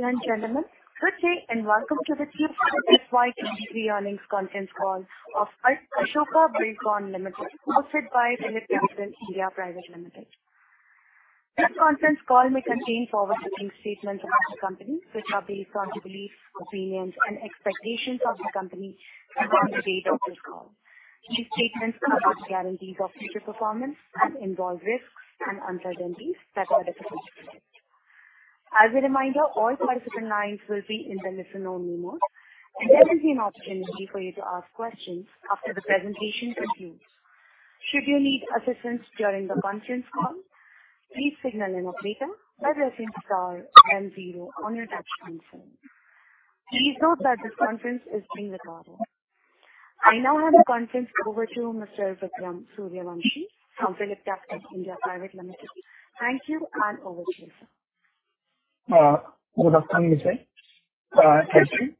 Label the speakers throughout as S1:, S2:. S1: Ladies and gentlemen, good day, and welcome to the Q3 FY23 Earnings Conference Call of Ashoka Buildcon Limited, hosted by PhillipCapital (India) Private Limited. This conference call may contain forward-looking statements of the company, which are based on the beliefs, opinions, and expectations of the company as on the date of this call. These statements are not guarantees of future performance and involve risks and uncertainties that are difficult to predict. As a reminder, all participant lines will be in the listen-only mode, and there will be an opportunity for you to ask questions after the presentation concludes. Should you need assistance during the conference call, please signal an operator by pressing star then zero on your touch tone phone. Please note that this conference is being recorded. I now hand the conference over to Mr. Vikram Suryavanshi from PhillipCapital (India) Private Limited.Thank you, and over to you, sir.
S2: Good afternoon, sir. Thank you.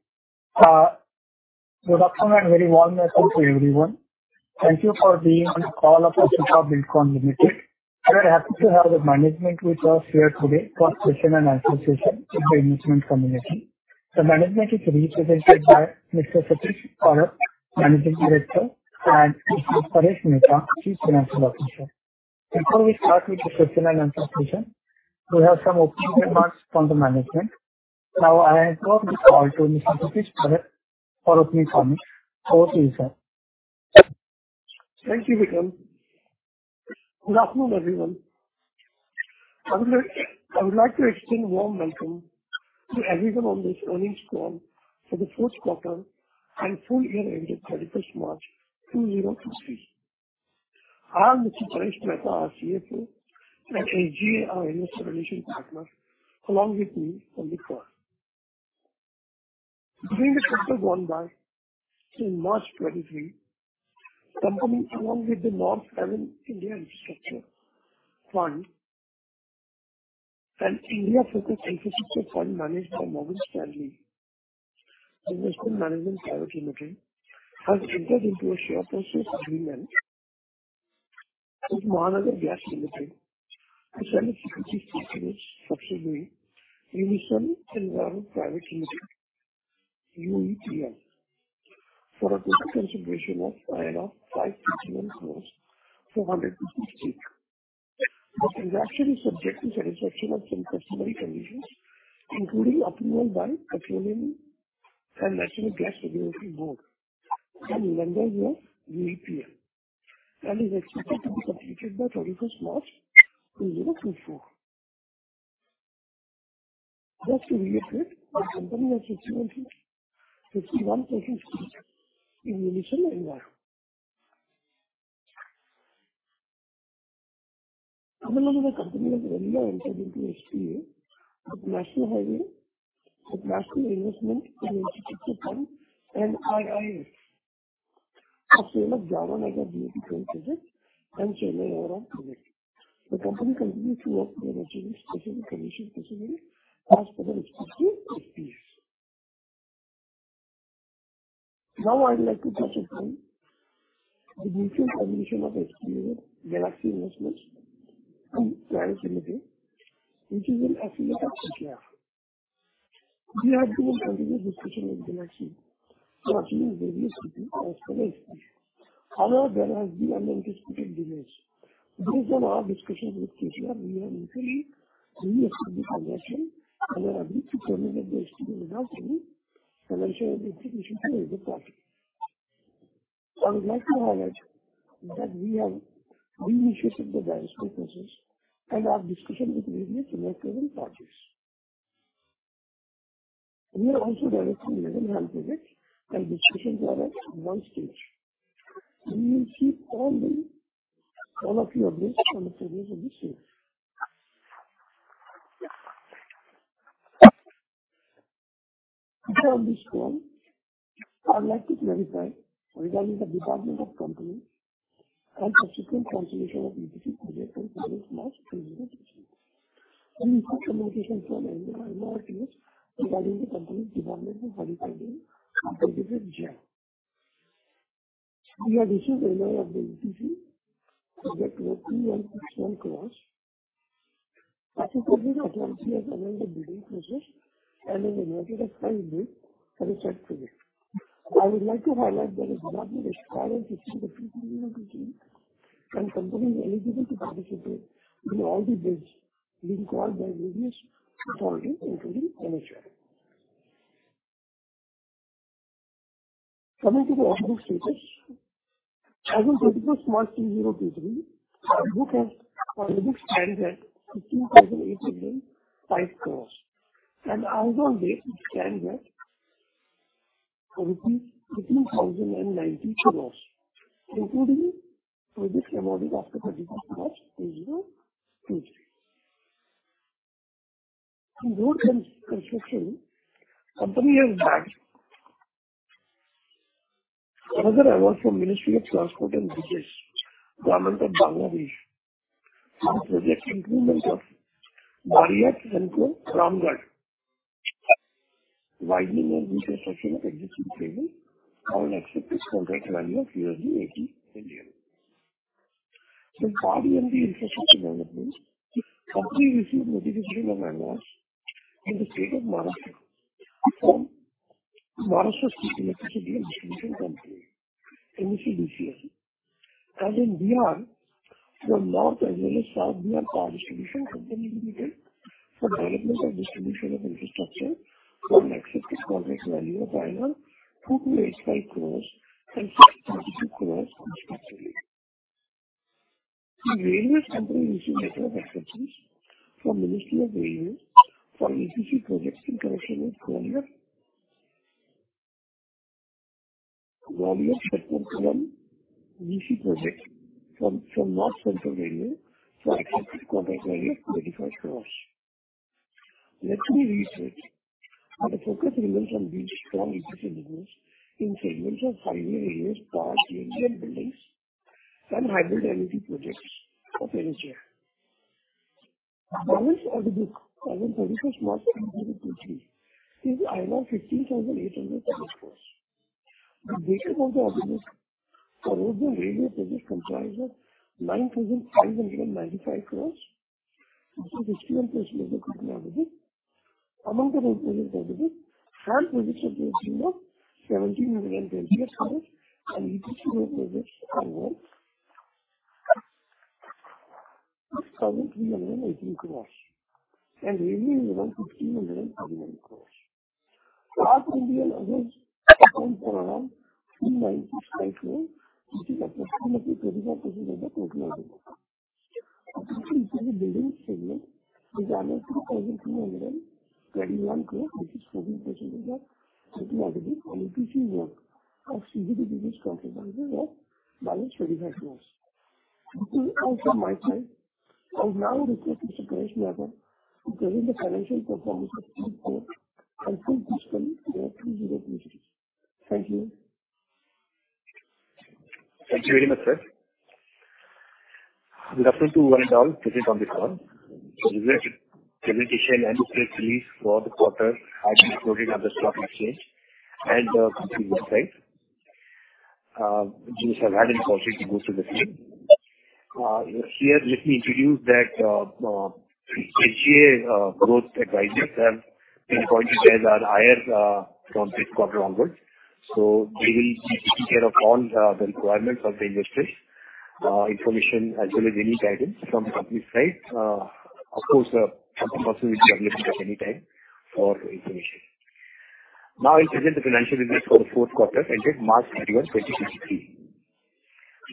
S2: Good afternoon, and a very warm welcome to everyone. Thank you for being on the call of Ashoka Buildcon Limited. We are happy to have the management with us here today for question and answer session with the investment community. The management is represented by Mr. Satish Parakh, Managing Director, and Mr. Paresh Mehta, Chief Financial Officer. Before we start with the question and answer session, we have some opening remarks from the management. Now, I hand over this call to Mr. Satish Parakh for opening comments. Over to you, sir.
S3: Thank you, Vikram. Good afternoon, everyone. I would like to extend a warm welcome to everyone on this earnings call for the Q4 and full year ended 31st March 2023. I'm with Mr. Paresh Mehta, our CFO, and HGA, our investor relations partner, along with me on the call. During the quarter gone by, till March 23, company along with the North Haven India Infrastructure Fund, an India-focused infrastructure fund managed by Morgan Stanley Investment Management Private Limited, has entered into a share purchase agreement with Mahanagar Gas Limited, to sell its 50% subsidiary, Unison Enviro Pvt. Limited, UEPL, for a total consideration of INR 5,300 crores for 100% stake. The transaction is subject to satisfaction of some customary conditions, including approval by Petroleum and Natural Gas Regulatory Board, and lender here, UEPL, and is expected to be completed by 31st March 2024. Just to reiterate, the company has 61% stake in Unison Enviro. The company has also entered into SPA with National Investment and Infrastructure Fund, NIIF, the sale of Yamuna BPA project and Chennai ORR project. The company continues to work towards various customary conditions precedent as per the respective SPAs. I'd like to touch upon the recent acquisition of SPA, Galaxy Investments Private Limited, which is an affiliate of KKR. We had been in continuous discussion with Galaxy regarding various cities as per SPA. There has been unanticipated delays. Based on our discussion with KKR, we are initially re-accepting the acquisition and are happy to terminate the existing SPA and enter into a new agreement for the project. I would like to highlight that we have re-initiated the divestment process and are discussing with various relevant parties. We are also divesting 11 HAM projects, and discussions are at advanced stage. We will keep all of you updated on the progress of the sale. Before I begin, I would like to clarify regarding the Department of Companies and subsequent cancellation of EPC project on 31st March 2023. We received a notification from NHAI regarding the company's involvement in qualifying of the project JFK. We have received an ROI of the EPC, project worth INR 361 crores, as the company has currently underway bidding process and invited a final bid for the said project. I would like to highlight that is not required to see the EPC, company is eligible to participate in all the bids being called by various authorities, including NHAI. Coming to the order book status, as on 31st March 2023, our book of orders stands at INR 15,805 crores, as on date, it stands at INR 18,090 crores, including projects awarded after 31st March 2023. In road construction, company has bagged another award from Ministry of Road Transport and Bridges, Government of Bangladesh, for project improvement of Baraiyarhat-Heako-Ramgarh, widening and reconstruction of existing railway on an estimated contract value of $80 million. In power and the infrastructure development, the company received notification of an award in the state of Maharashtra from Maharashtra State Electricity Distribution Company Limited, MSEDCL. In Bihar, the North as well as South Bihar Power Distribution Company Limited, for development of distribution of infrastructure for an accepted contract value of INR 2,285 crores and INR 632 crores respectively. The railways company received letter of references from Ministry of Railways for EPC projects in connection with Bolvum Sub-1 EPC project from North Central Railway for accepted contract value of INR 285 crores. Let me read it. The focus remains on these strong EPC business in segments of Highway, Railways, Power, T&D buildings, and hybrid Annuity Projects of NHAI. Balance order book as on 31st March 2023, is INR 15,805 crores. The breakup of the order book for road and railway projects comprise of INR 9,595 crores, which is 61% of the total order book. Among the the Road project order book, HAM projects are to the tune of INR 1,728 crores, and EPC Road projects are worth INR 6,318 crores, and Railway is around INR 1,549 crores. Power T&D and others accounting for around INR 3,965 crore, which is approximately 25% of the total order book. The total EPC buildings segment, which amount to INR 2,221 crores which is 14% of the total order book, and EPC work of CGD business is comprised of balance INR 25 crores. This is all from my side. I would now request Mr. Paresh Mehta to present the financial performance of Q4 and Full Fiscal Year 2023. Thank you.
S4: Thank you very much, sir. With reference to one and all present on the call, the presentation and press release for the quarter has been loaded on the Stock Exchange and the company website. You shall have an opportunity to go through the same. Here, let me introduce that SGA Growth Advisors have been appointed as our IR from this quarter onwards, so they will be taking care of all the requirements of the investors information as well as any guidance from the company side. Of course, company will be available at any time for information. Now, I'll present the financial results for the Q4 ended March 31, 2023.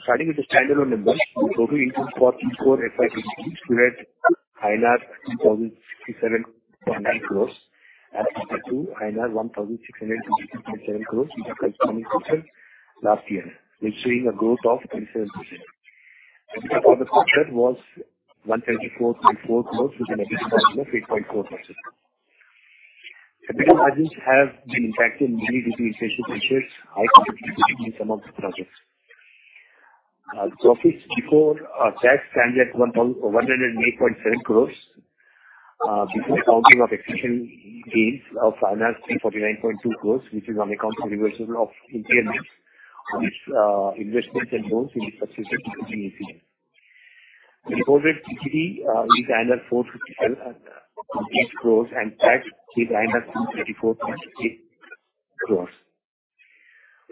S4: Starting with the standalone numbers, the total income for Q4 FY 23 stood at INR 2,067.9 crores as compared to INR 1,622.7 crores in the corresponding quarter last year, which showing a growth of 27%. EBITDA for the quarter was 124.4 crores, with an additional of 8.4%. EBITDA margins have been impacted mainly due to inflation pressures, high competition among the projects. Profit before tax stand at 108.7 crores before accounting of exceptional gains of 349.2 crores, which is on account of reversal of impairments on its investments and loans in the succeeding including ACL. The reported PBT is 457.8 crores and tax is 434.8 crores.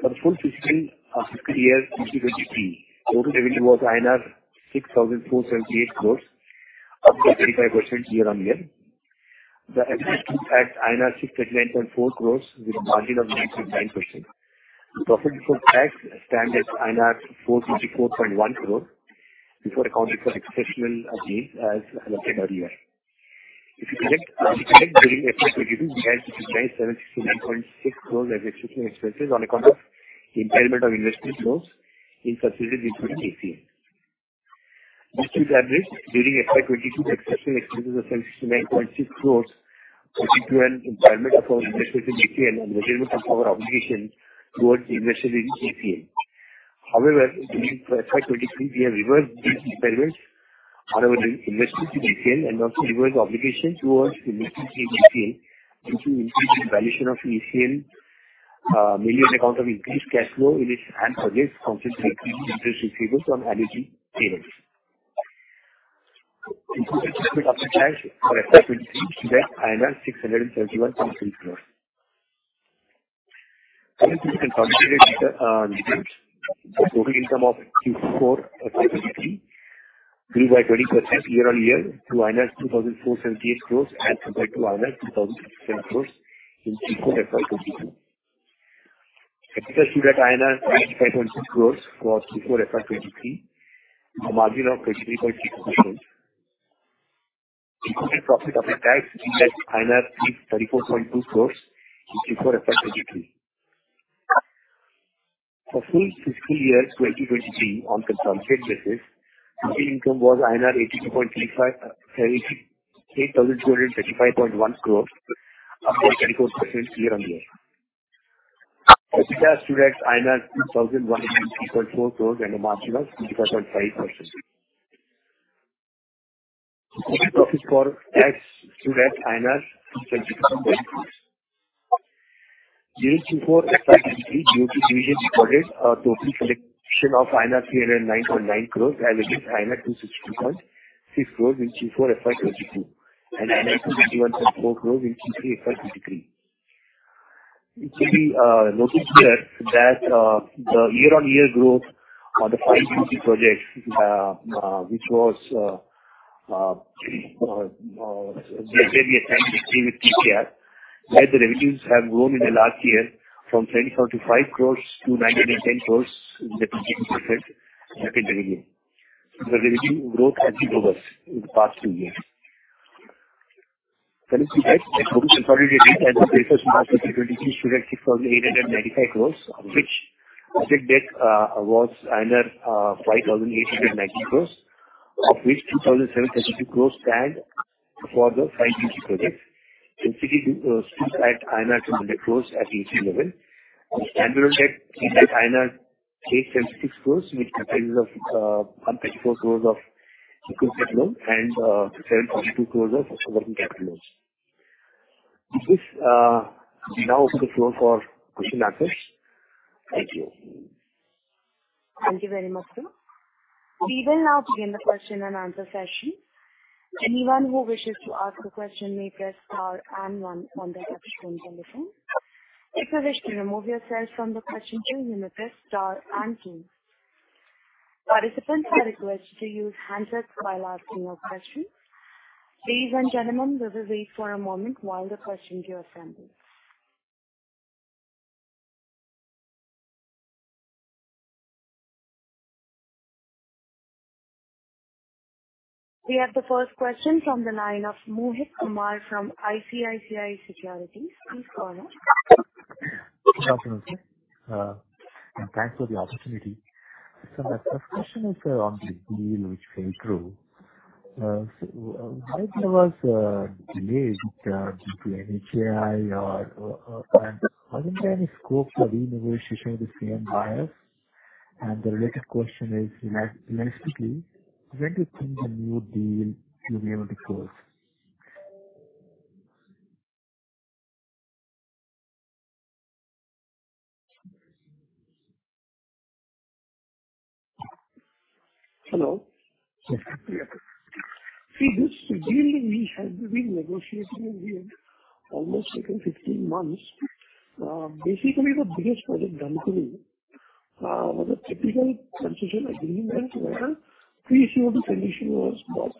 S4: For the full fiscal year 2023, total revenue was INR 6,478 crores, up by 35% year-on-year. The EBITDA at INR 639.4 crores with a margin of 9.9%. Profit before tax stand at INR 424.1 crores before accounting for exceptional gains, as I looked at earlier. If you connect during FY 2023, we had 769.6 crores as exceptional expenses on account of the impairment of investment loans in subsidiaries including ACL. This should average during FY 2022, the exceptional expenes of INR 769.6 crores, leading to an impairment of our investment in ACL and fulfillment of our obligation towards investment in ACL. However, during FY 2023, we have reversed these impairments on our investments in Ashoka Concessions Ltd. and also reversed the obligation towards investment in Ashoka Concessions Ltd., which will increase the valuation of Ashoka Concessions Ltd., mainly on account of increased cash flow in its HAM projects, consequently increasing interest receivable on annuity payments. Included profit after tax for FY 2023 stood at INR 631.6 crores. You can consolidate results. The total income of Q4 FY 2023 grew by 20% year-on-year to INR 2,478 crores as compared to INR 2,057 crores in Q4 FY 2022. EBITDA stood at INR 585.2 crores for Q4 FY 2023, a margin of 23.6%. Included profit after tax stands at INR 334.2 crores in Q4 FY 2023. For full fiscal year 2023, on consolidated basis, income was INR 8,235.1 crores, up by 34% year-on-year. EBITDA stood at INR 2,103.4 crores, and a margin of 25.5%. Total profits after tax stood at INR 372.9 crores. During Q4, FY 2023, BOT division recorded a total collection of INR 309.9 crores, average INR 262.6 crores in Q4, FY 2022, and INR 291.4 crores in Q3, FY 2023. It should be noticed here that the year-on-year growth of the five BOT projects which was there may be a time with KKR, where the revenues have grown in the last year from 24 to 5 crores to 19 and 10 crores in the % in the revenue. The revenue growth has been over in the past two years. When you see that, the total consolidated and the 1st March 2023 stood at INR 6,895 crores, of which debt was 5,819 crores, of which 2,732 crores stand for the five BOT projects. NCD sits at INR 200 crores at ACL level. The standard debt is at INR 876 crores, which contains of 134 crores of equipment loan and 742 crores of working capital loans. Now open the floor for question answers. Thank you.
S1: Thank you very much, sir. We will now begin the question and answer session. Anyone who wishes to ask a question may press star and one on their touchtone telephone. If you wish to remove yourself from the question queue, you may press star and two. Participants are requested to use handsets while asking your question. Please, gentlemen, let us wait for a moment while the question queue assembles. We have the first question from the line of Mohit Kumar from ICICI Securities. Please go on.
S5: Good afternoon, sir, and thanks for the opportunity. My first question is on the deal which went through. Why there was delay due to NHAI, or, and wasn't there any scope for renegotiation with the same buyers? The related question is, realistically, when do you think the new deal will be able to close?
S3: Hello.
S5: Yes.
S3: This deal we had been negotiating with them, almost taken 15 months. Basically, the biggest project, Dhankuni, was a typical concession agreement where the pre-COD condition was not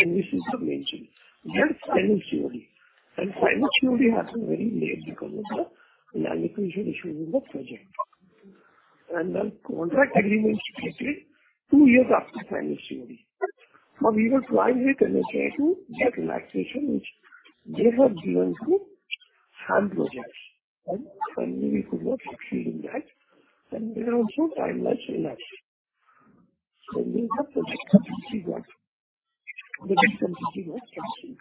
S3: envisaged mentioned, that final COD. Final COD happened very late because of the relaxation issues in the project. Contract agreement started two years after final COD. We were trying with NHAI to get relaxation, which they have given to HAM projects, and finally we could not succeed in that, and we also timelines relaxed. We have project, the concession was cancelled.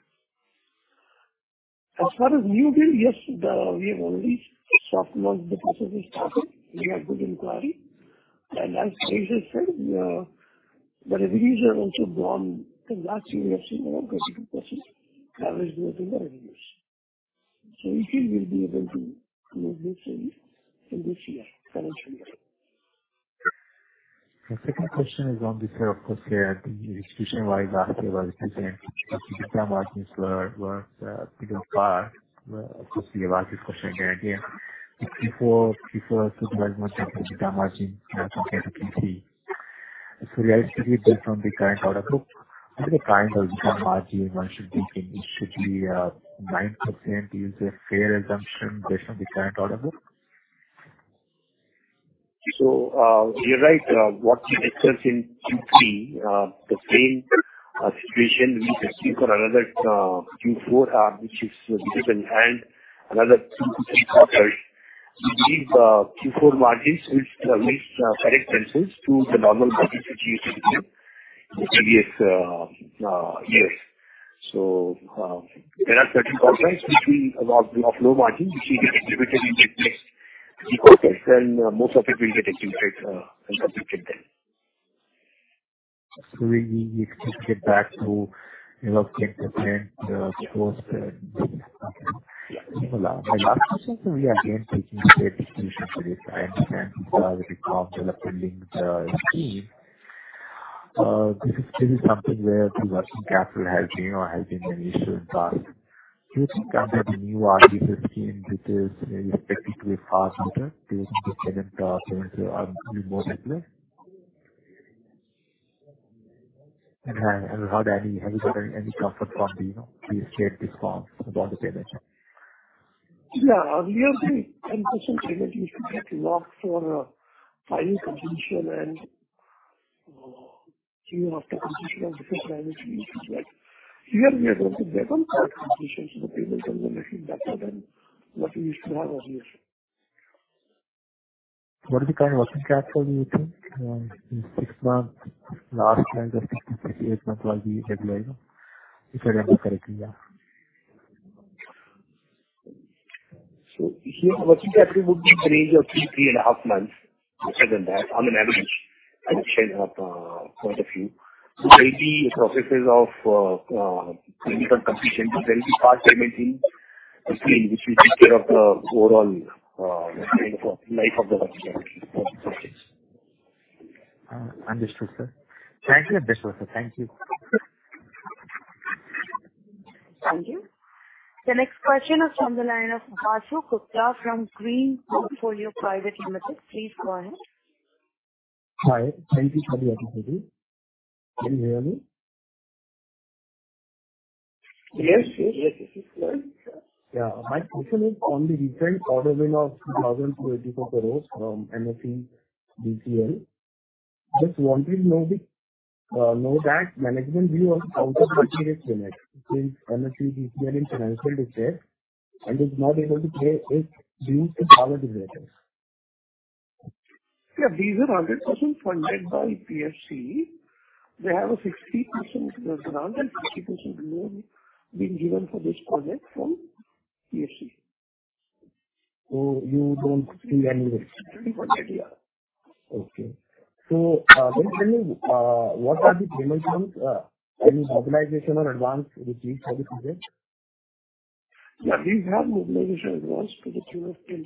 S3: As far as new deal, yes, we have already soft launched, the process is started. We have good inquiry. As Paresh said, the revenues have also grown last year, we have seen around 22% average growth in the revenues. We feel we'll be able to close this in this year, calendar year.
S5: My second question is on this here, of course, here, the execution-wise last year was decent. Margins were pretty low, so see a lot this question here again. Before margin compared to Q3. Realistically, based on the current order book, what are the kind of margin one should be thinking? It should be 9% is a fair assumption based on the current order book?
S4: You're right, what we observed in Q3, the same situation we can see for another Q4, which is business in hand, another two to three quarters. We believe Q4 margins will reach correct pencils to the normal margins which we used to see in the previous years. There are certain contracts of low margin, which will get executed in the next few quarters, and most of it will get executed and completed then.
S5: We need to get back at 10%, you know, check the current close. Okay. My last question to you again, taking straight to execution for this time, and with the powerful appealing team, this is still something where the working capital has been an issue in the past. Do you think under the new RDSS, which is expected to be far better based on the current terms are even more clear? How, daddy, have you got any comfort from the, you know, the straight response about the payment?
S3: Obviously, 10% payment is to get locked for, final completion, year after completion of different language issues, right? Here, we are going to develop our completion, so the payments are looking better than what we used to have earlier.
S5: What is the current working capital you think, in six months, last nine or six to eight months while we regularize, if I remember correctly, yeah?
S4: Here, working capital would be in the range of three and a half months. Other than that, on an average, I would share a point of view. There'll be processes of clinical completion, but there will be part payment in between, which will take care of the overall life of the working capital.
S5: understood, sir. Thank you. Understand, sir. Thank you.
S1: Thank you. The next question is from the line of Vasu Gupta from Green Portfolio Private Limited. Please go ahead.
S6: Hi, thank you for the opportunity. Can you hear me?
S3: Yes, yes, we can.
S6: Yeah. My question is on the recent order win of 2,284 crores from MSEDCL. Just wanted to know that management view on how to complete it, since MSEDCL in financial defect and is not able to pay it due to power developers.
S3: Yeah, these are 100% funded by PFC. They have a 60% grant and 40% loan been given for this project from PFC.
S6: You don't see any risk?
S3: Yeah.
S6: Okay. tell me, what are the payments being, any mobilization or advance received for the project?
S3: Yeah, we have mobilization advance to the tune of 10%.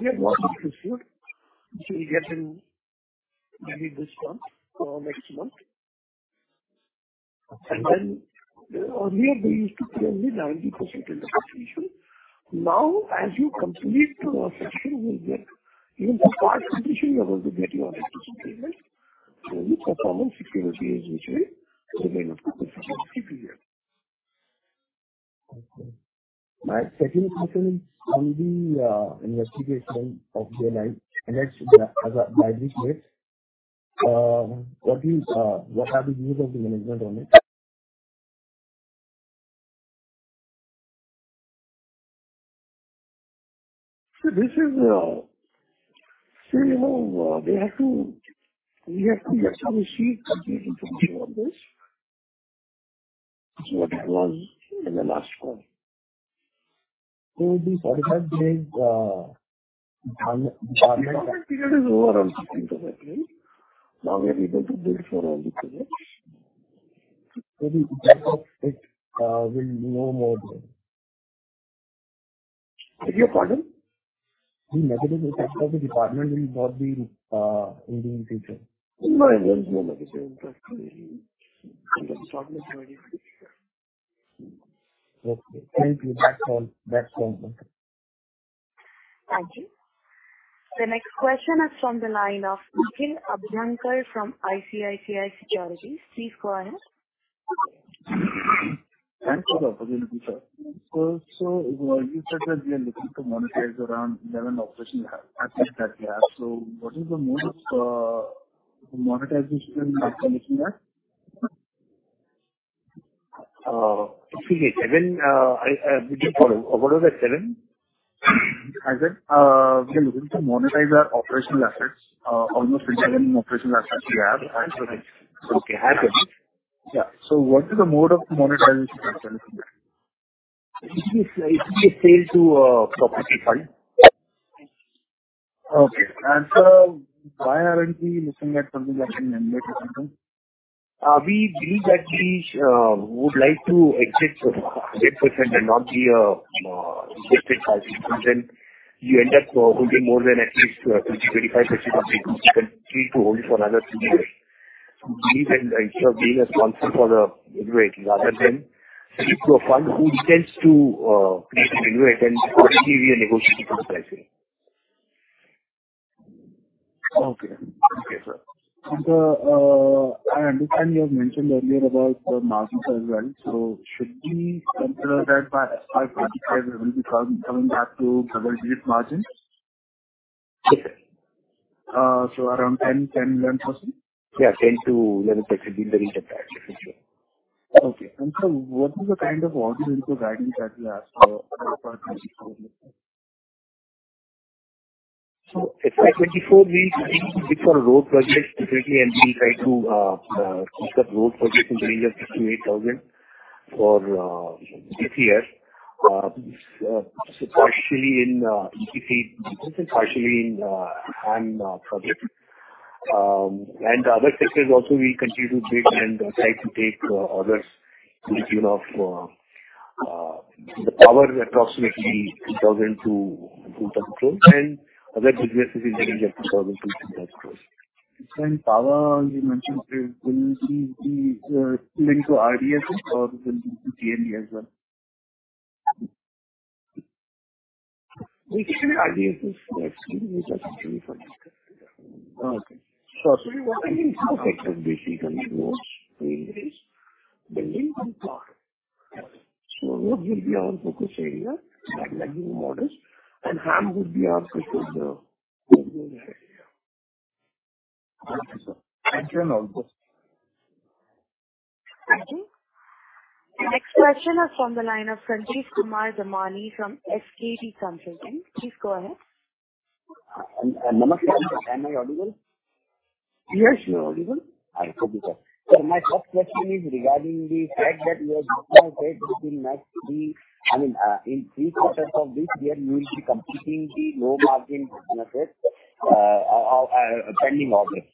S3: We have more to receive, which we'll get in maybe this month or next month.
S6: Okay.
S3: Earlier, we used to pay only 90% in the completion. As you complete the section, you will get, even the part completion, you're going to get your 100% payment. The performance security is usually remain up to different liability period.
S6: Okay. My second question is on the investigation of the bribery case. What are the views of the management on it?
S3: This is, you know, we have to establish complete information on this, what happened in the last call. The government is done with the overall investigation. Now, we are able to build for all the projects. The impact of it will be no more there. Did you follow?
S6: The negative impact of the department will not be in the future.
S3: No, there is no negative impact. The problem is already fixed.
S6: Okay. Thank you. That's all. That's all.
S1: Thank you. The next question is from the line of Nikhil Abhyankar from ICICI Securities. Please go ahead.
S7: Thanks for the opportunity, sir. You said that we are looking to monetize around 11 operations that we have. What is the mode of monetization you are looking at?
S4: Excuse me, we didn't follow. What was the seven?
S7: As in, we are looking to monetize our operational assets, almost 11 operational assets we have.
S4: Okay, I got it.
S7: Yeah. What is the mode of monetization you are looking at?
S4: It will be a sale to a property fund.
S7: Okay. Sir, why aren't we looking at something like an Invit or something?
S4: We believe that we would like to exit 100% and not be a 50%, because then you end up holding more than at least 25% of the. You can agree to hold it for another three years. We believe in, instead of being a sponsor for the valuating, rather than sell to a fund who intends to create a value and give you a negotiating price.
S7: Okay. Okay, sir. I understand you have mentioned earlier about the margins as well, so should we consider that by FY 2025, we will be coming back to double-digit margins?
S4: Yes.
S7: around 10, 11%?
S4: Yeah, 10%-11% will be the range of that in future.
S7: Okay. Sir, what is the kind of order input guidance that we ask for FY 2024?
S4: FY 2024, we look to bid for road projects specifically, and we try to keep the road projects in the range of INR 6,000 for this year. Partially in EPC and partially in HAM project. The other sectors also we continue to bid and try to take orders to the tune of the power is approximately INR 3,000-INR 4,000 crore, and other businesses in the range of INR 2,000-INR 3,000 crore.
S7: Power, you mentioned, will it be linked to RDSS or will it be T&D as well?
S4: It can be RFPs, actually, which are currently funded.
S7: Okay.
S4: Basically, roads, railways, building, and power. Road will be our focus area, like modest, and HAM would be our critical focus area.
S7: Okay, sir. Thank you.
S1: Thank you. The next question is from the line of Sanjeevkumar Damani from SKD Consulting. Please go ahead.
S8: Namaste, am I audible?
S4: Yes, you are audible.
S8: All right, okay, sir. My first question is regarding the fact that you have said within next three, I mean, in three quarters of this year, you will be completing the low-margin business, pending orders.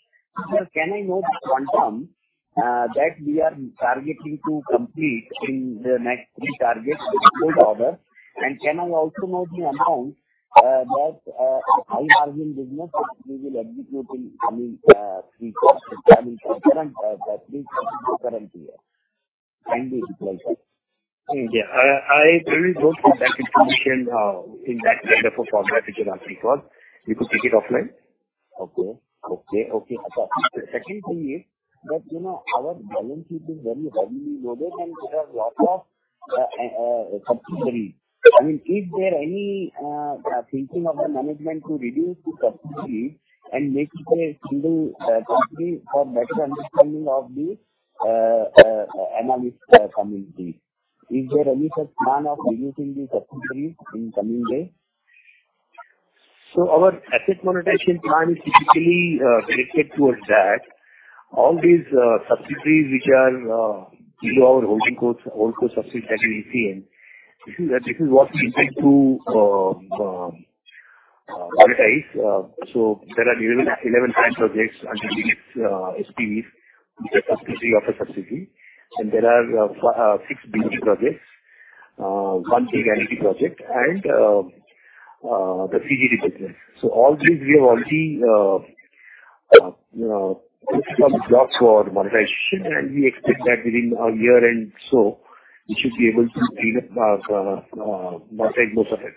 S8: Sir, can I know, confirm, that we are targeting to complete in the next three targets with old order? Can I also know the amount, that, high-margin business which we will execute in coming, three quarters, I mean, current, the current year, kindly reply, sir.
S4: Yeah, I really don't think that information, in that kind of a format, which you are asking for. We could take it offline.
S8: Okay. Okay, okay. Second thing is that, you know, our balance sheet is very heavily loaded. There are lots of subsidiary. I mean, is there any thinking of the management to reduce the subsidiary and make it a single company for better understanding of the analyst community? Is there any such plan of reducing the subsidiaries in coming days?
S4: Our asset monetization plan is typically created towards that. All these subsidiaries, which are below our holding cost, holdco subsidiary, EPC. This is what we intend to monetize. There are 11 HAM projects under SPVs, which are subsidiary of a subsidiary, and there are six BOT projects, one big annuity project, and the CGD business. All these we have already put some blocks for monetization, and we expect that within a year and so, we should be able to clean up our monetize most of it.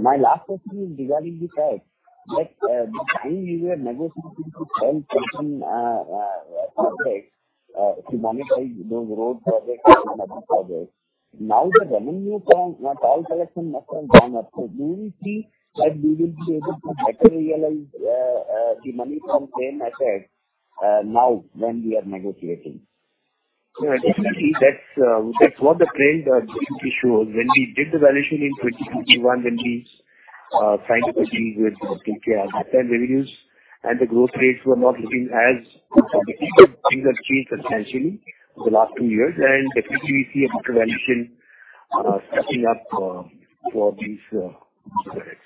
S4: My last question is regarding the fact that the time you were negotiating to sell certain projects to monetize those road projects and other projects. Now, the revenue from toll collection has gone up. Do you see that we will be able to better realize the money from same assets now, when we are negotiating? Yeah, definitely. That's what the trend basically shows. When we did the valuation in 2051, when we signed the agreement with KKR, revenues and the growth rates were not looking as good as they did. Things have changed substantially in the last two years, definitely we see a better valuation stepping up for these projects.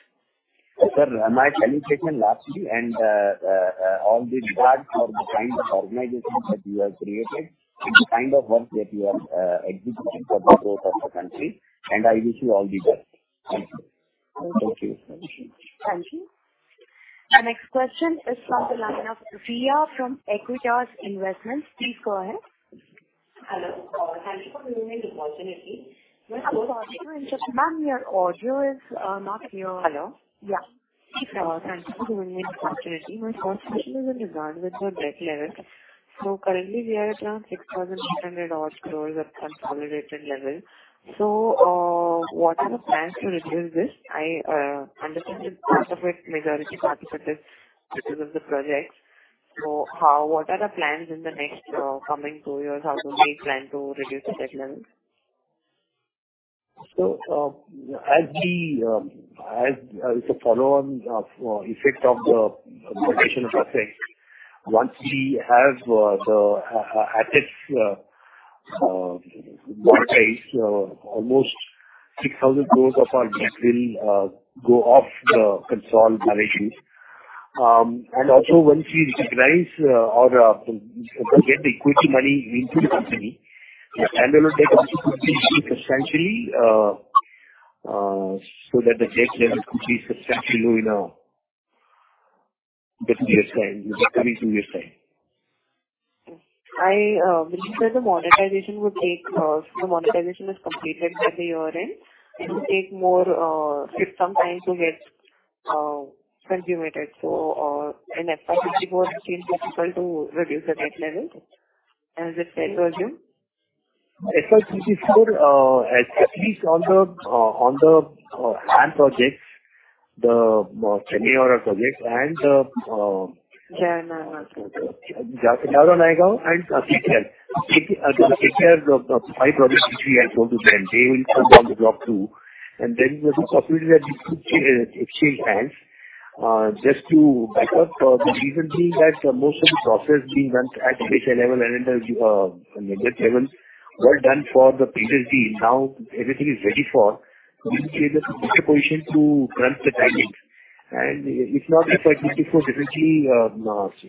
S8: Sir, my appreciation lastly, and all the regard for the kind of organization that you have created and the kind of work that you are executing for the growth of the country. I wish you all the best. Thank you.
S4: Thank you.
S1: Thank you. Our next question is from the line of Riya from Aequitas Investments. Please go ahead.
S9: Hello. Thank you for giving me the opportunity.
S1: I'm sorry to interrupt. Ma'am, your audio is not clear.
S9: Hello?
S1: Yeah.
S9: Thank you for giving me the opportunity. My first question is in regard with your debt level. Currently we are around 6,800 odd crores at consolidated level. What are the plans to reduce this? I understand that part of it, majority participated because of the projects. What are the plans in the next, coming two years? How do we plan to reduce the debt level?
S4: As we, as a follow-on of effect of the completion of assets, once we have the assets monetized, almost 6,000 crore of our debt will go off the consol valuations. Also once we recognize or get the equity money into the company, the standalone debt also could be reduced substantially, so that the debt level could be substantially low in this year's time, the coming two years' time.
S9: Which is where the monetization would take. The monetization is completed by the year-end. It will take more, some time to get consummated. In FY 2024, it is difficult to reduce the debt level, as it said earlier?
S4: FY 2024, at least on the HAM projects, the Chennai ORR projects and the.
S9: Yeah, okay.
S4: Jaora-Nayagaon and KKR. KKR five projects, which we have sold to them. They will come on the block two, and then there's a possibility that we could exchange hands. Just to back up, the reason being that most of the process being done at base level and then the mid-level, were done for the previous team. Now, everything is ready for, we are in a better position to grant the timing. If not, if I keep before, definitely,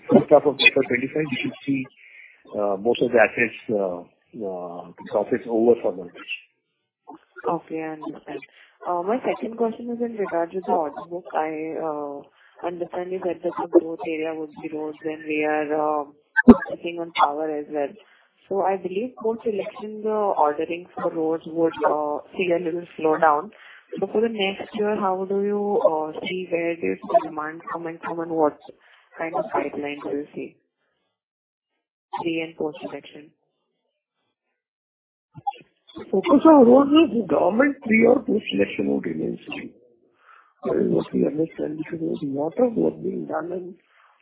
S4: first half of April 2025, we should see most of the assets profits over for mortgage.
S9: Okay, I understand. My second question is in regard to the order book. I understand you said that the growth area would be roads and we are sitting on power as well. I believe post-election, the ordering for roads would see a little slowdown. For the next year, how do you see where does the demand come in from, and what kind of pipeline do you see, pre- and post-election?
S3: Focus on roads is the government, pre or post-election would remain the same. That is what we understand, because there is a lot of work being done, and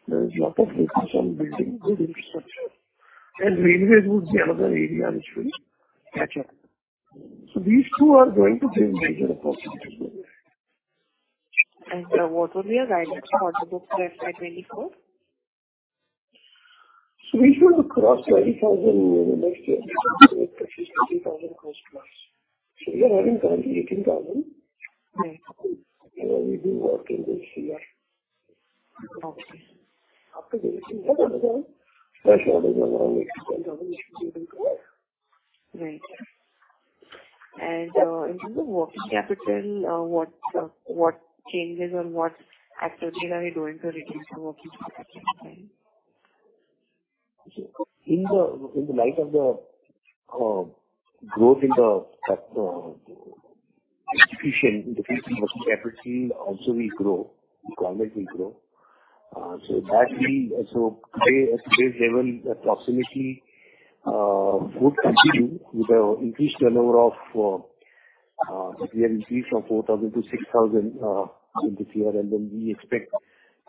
S3: there is a lot of focus on building good infrastructure. Railways would be another area which will catch up. These two are going to bring major opportunities.
S9: What will be your guidance for the book year, 2024?
S3: We should cross 20,000 next year, 20,000 customers. We are having currently 18,000.
S9: Right.
S4: We've been working this year.
S9: Okay. Right. In terms of working capital, what changes or what activities are you doing to reduce the working capital?
S4: In the light of the growth in the execution, the working capital also will grow, requirement will grow. Today, at today's level, approximately, would continue with the increased number of, we have increased from 4,000 to 6,000, in this year, and then we expect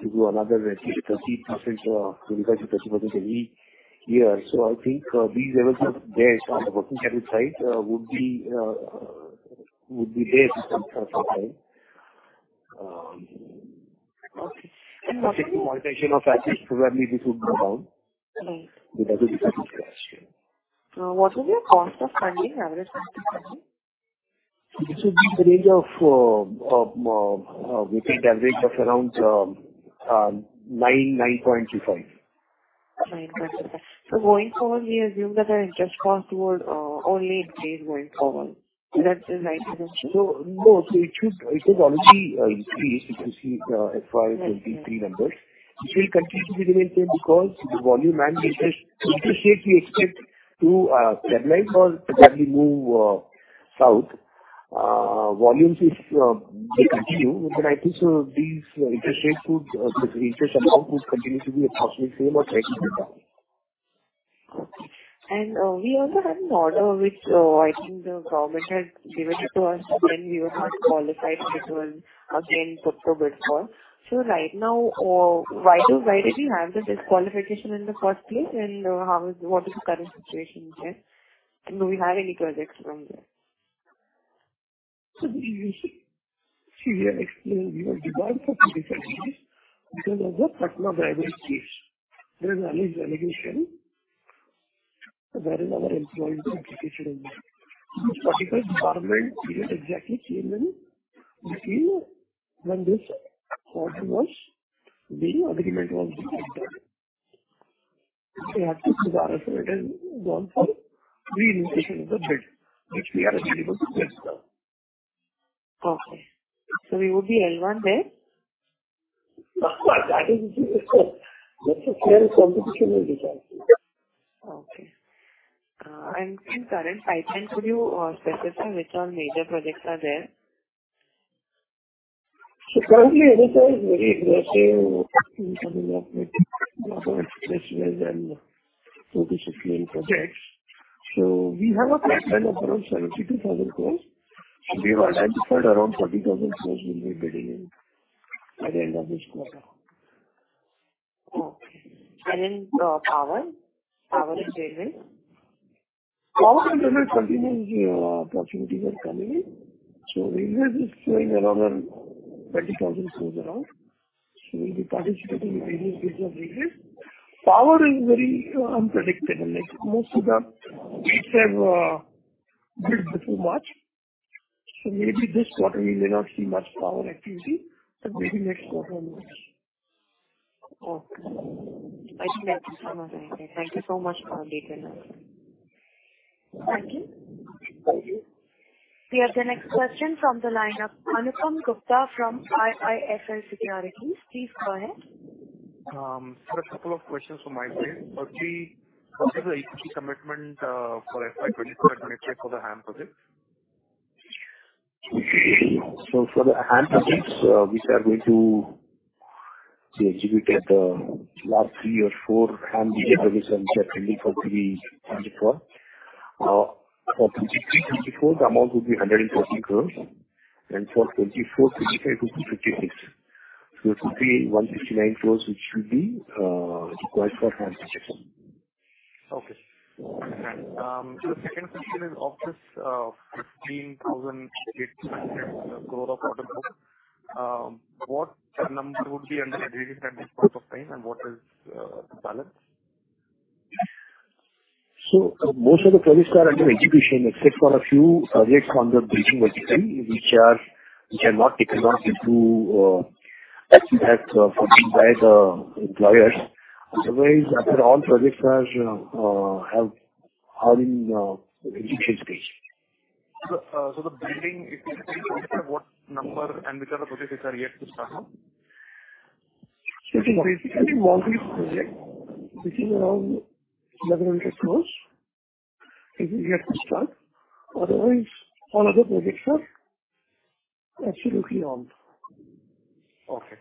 S4: to do another at least 25%-30% every year. I think, these levels of debt on the working capital side, would be there for some time.
S9: Okay.
S4: Monetization of factors probably will come down.
S9: Right.
S4: -because of the
S9: What is your cost of funding, average cost of funding?
S4: It should be in the range of, we think average of around 9%-9.25.
S9: 9.25%. Going forward, we assume that our interest cost would only increase going forward. Is that the right assumption?
S4: No, no. It is already increased. You can see FY 23 numbers. It will continue to be the same because the volume and interest rates we expect to stabilize or probably move south. Volumes is, they continue, I think so these interest rates could, the interest amount could continue to be approximately same or slightly down.
S9: Okay. We also had an order which, I think the government had given it to us, then we were not qualified, and again put to bid for. Right now, why did we have the disqualification in the first place, and, what is the current situation there? Do we have any projects from there?
S3: She had explained, we were debarred for three years because of the Patna railway case. There was an alleged allegation that is our employee was involved in that. This particular debarment period exactly came in between when this project the agreement was signed. We have to
S9: It has gone for re-invitation of the bid, which we are available to bid now. Okay. We would be L1 there?
S4: Of course, that is a clear competition in the bid.
S9: Okay. In current pipeline for you, specifically, which are major projects are there?
S4: Currently, Edelweiss is very aggressive in terms of making more specialized and INR four to six lane projects. We have a pipeline of around 72,000 crores, and we have identified around 30,000 crores in the bidding at the end of this quarter.
S9: Okay. in power and railway?
S4: Power and railway continues, opportunities are coming in. Railway is saying around 20,000 crores around. We'll be participating in various bids of railway. Power is very, unpredictable. Most of the bids have, bid before March, so maybe this quarter we may not see much power activity, but maybe next quarter, much.
S9: Okay. I think that is enough. Thank you so much for updating us. Thank you.
S3: Thank you.
S1: We have the next question from the line of Anupam Gupta from IIFL Securities. Please go ahead.
S10: Sir, a couple of questions from my side. Actually, what is the equity commitment, for FY 2024 and 2025 for the HAM projects?
S4: For the HAM projects, we are going to execute at the last three or four HAM projects, which are pending for three years. For 2023, 2024, the amount would be INR 113 crores, and for 2024, 2025, it will be 56 crores. It could be 169 crores, which should be required for HAM projects.
S10: Okay. The second question is, of this 15,800 gates expected growth of order book, what numbers would be under execution at this point of time, and what is the balance?
S4: Most of the projects are under execution, except for a few projects on the bidding which are not taken off into, as yet, for being by the employers. Otherwise, after all, projects are in execution stage.
S10: The bidding, what number and which are the projects which are yet to start now?
S4: It is basically multi project, which is around INR 1,100 crore, is yet to start. Otherwise, all other projects are absolutely on.
S10: Okay.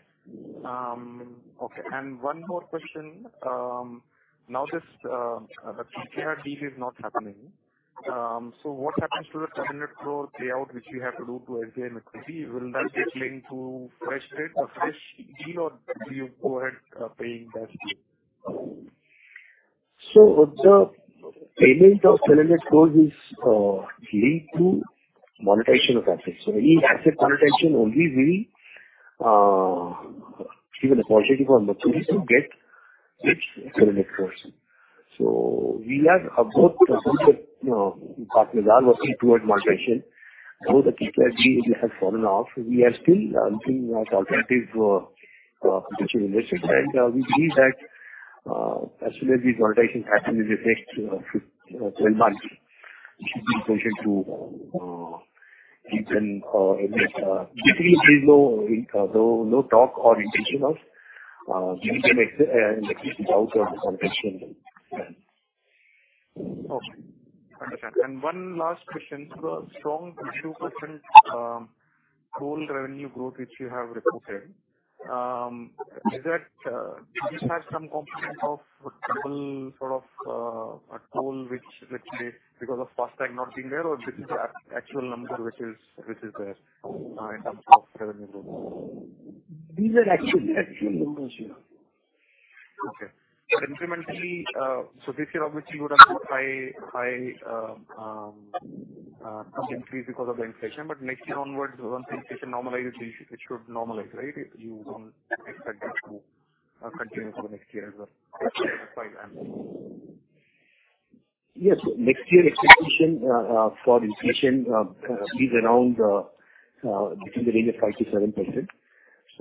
S10: One more question. Now this, the KKR deal is not happening. What happens to the 1200 crore payout which you have to do to NHAI? Will that get linked to fresh debt or fresh deal, or do you go ahead, paying that?2
S4: The payment of INR 1200 crores is linked to monetization of assets. Any asset monetization only we given the positive on maturity to get it to the next course. We have about partners are working towards monetization. Though the people we have fallen off, we are still looking at alternative potential investors. We believe that as soon as this monetization happens in the next 12 months, it should be positioned to keep them at least. Typically, there is no talk or intention of keeping exit out of the context then.
S10: Okay, understand. One last question: the strong 22%, total revenue growth, which you have reported, is that, this has some component of double sort of, a toll, which literally because of FASTag not being there, or this is the actual number, which is there, in terms of revenue growth?
S4: These are actual numbers, yeah.
S10: Okay. Incrementally, this year, obviously, you would have high increase because of the inflation, next year onwards, once inflation normalizes, it should normalize, right? You won't expect that to continue for the next year as well?
S4: Yes. Next year expectation for inflation is around between the range of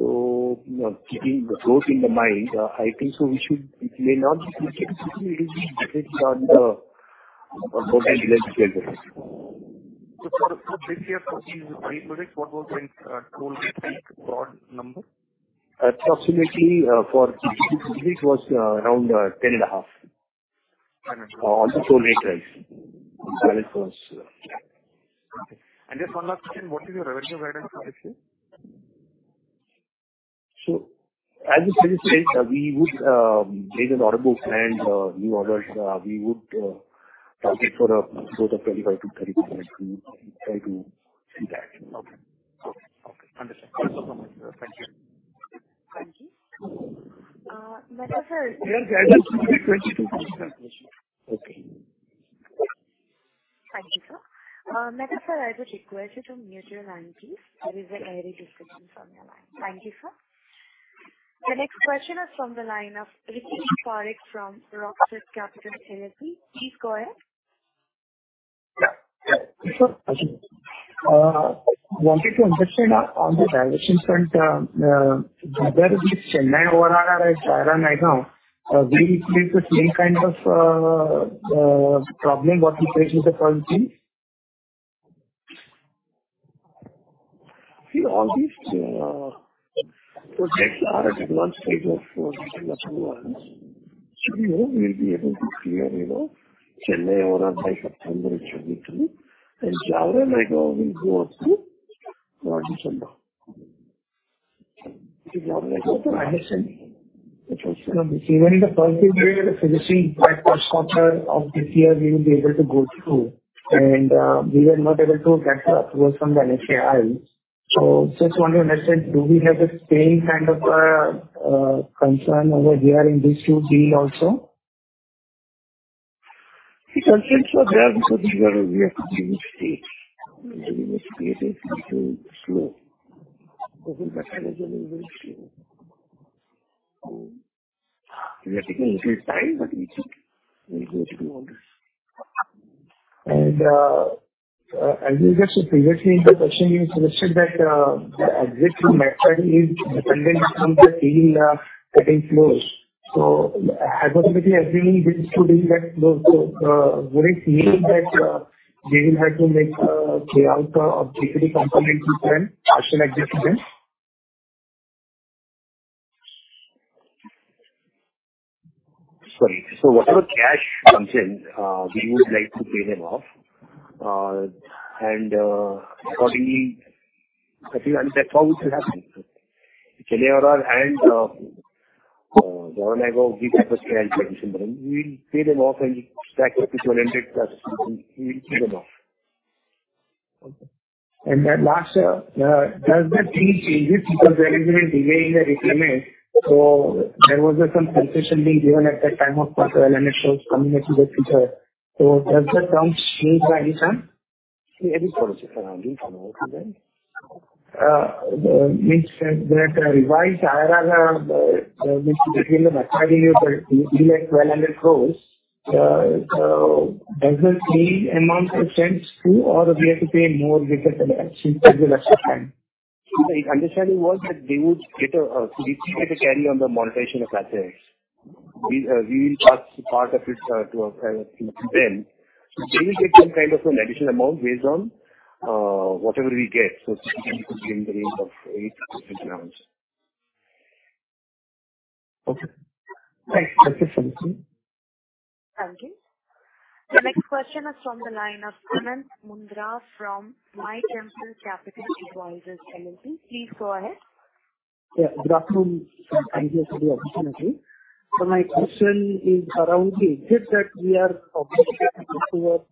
S4: 5%-7%. Keeping the growth in the mind, I think so it may not be significant, it will be better than the current year.
S10: For the previous year, for these projects, what was the toll rate per number?
S4: Approximately, for this was, around, 10.5%.
S10: Okay.
S4: On the toll rates, the balance was.
S10: Okay. Just one last question: What is your revenue guidance for this year?
S4: As I said, we would raise an order book and new orders, we would target for a growth of 25%-30% to try to see that.
S10: Okay. Okay, okay, understand. Thank you.
S1: Thank you. Mehta Sir.
S3: Here the guidance will be 22%.
S10: Okay.
S1: Thank you, sir. Mehta Sir, I have a request from Motilal Oswal. There is an early discussion from your line. Thank you, sir. The next question is from the line of Rikesh Parikh from Rockstud Capital LLP. Please go ahead.
S11: Yeah. Sir, wanted to understand on the valuation front, whether it's Chennai or RRR, Jaora-Nayagaon, we will face the same kind of problem what we faced with the first team?
S4: All these projects are at advanced stage of four to six months. We hope we will be able to clear, you know, Chennai over by September 2023, and Jaora-Nayagaon will go up to March, December.
S11: Even in the first quarter, the finishing first quarter of this year, we will be able to go through, and we were not able to get the approval from the NHAI. Just want to understand, do we have the same kind of concern over here in this two deal also?
S4: The concerns were there because we have to give state. The state is a little slow. Often the timeline is very slow. We are taking a little time. We think we'll be able to do all this.
S11: As you just previously in the question, you suggested that the exit from Macquarie is dependent on the deal getting closed. Hypothetically, assuming this two deal that close, would it mean that we will have to make a payout of GDP component to them, partial adjustment?
S4: Sorry. Whatever cash comes in, we would like to pay them off, and accordingly, I think that's what will happen. Chennai and Jaora-Nayagaon, we have a clear tradition, but we pay them off and stack up to 200+, we pay them off.
S11: Okay. Last year, does the thing change because there has been a delay in the repayment? There was some consultation being given at that time of quarter, and it shows coming into the picture. Does the term change by any time?
S4: It is policy surrounding from our side.
S11: means that revised IRR, between the Macquarie in the INR 1,200 crores, so does the same amount extends to, or we have to pay more because of the action, because of the time?
S4: My understanding was that they would get a CDP to carry on the monetization of assets. We will pass part of it to our client, to them. They will get some kind of an additional amount based on whatever we get. It could be in the range of 8% amount.
S11: Okay. Thanks. That's it. Thank you.
S1: Thank you. The next question is from the line of Anant Mundra, from Mytemple Capital Advisors LLP. Please go ahead.
S12: Yeah, good afternoon. My question is around the exit that we are publishing towards,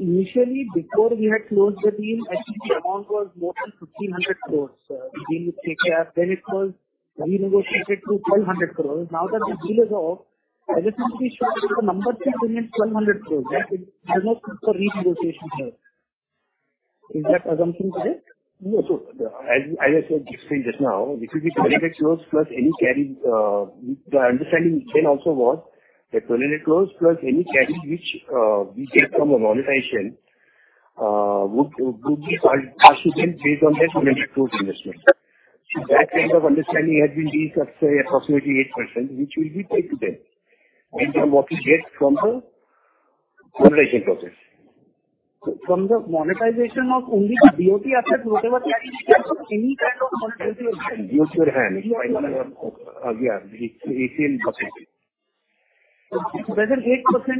S12: initially, before we had closed the deal, I think the amount was more than 1,500 crores, the deal with KKR. It was renegotiated to 1,200 crores. Now that the deal is off, I just want to be sure the number still remains 1,200 crores, right? There's no room for renegotiation here. Is that assumption correct?
S4: No. As, as I explained just now, it will be INR 28 crore, plus any carry, the understanding then also was that INR 28 crore, plus any carry which we get from a monetization would be paid to them based on their INR 200 crore investment. That kind of understanding has been reached at approximately 8%, which will be paid to them, and from what we get from the monetization process.
S12: From the monetization of only the BOT assets, any kind of monetization?
S4: Yes, it is possible.
S12: Does the 8%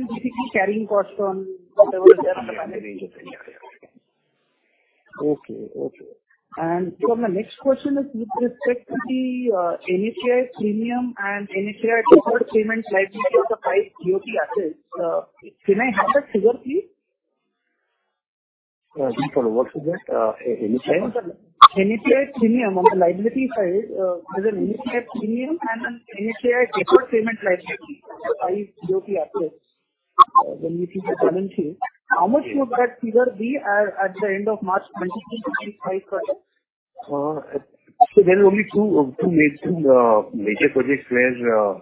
S12: basically carrying cost on whatever is there?
S4: Yeah. Okay. Okay.
S12: My next question is with respect to the NHAI premium and NHAI default payment liability of the five BOT assets. Can I have that figure, please?
S4: Sorry, what is that?
S12: NHAI premium. On the liability side, there's an NHAI premium and an NHAI default payment liability by BOT assets. When we see the balance sheet, how much would that figure be at the end of March 2025?
S4: There are only two main major projects where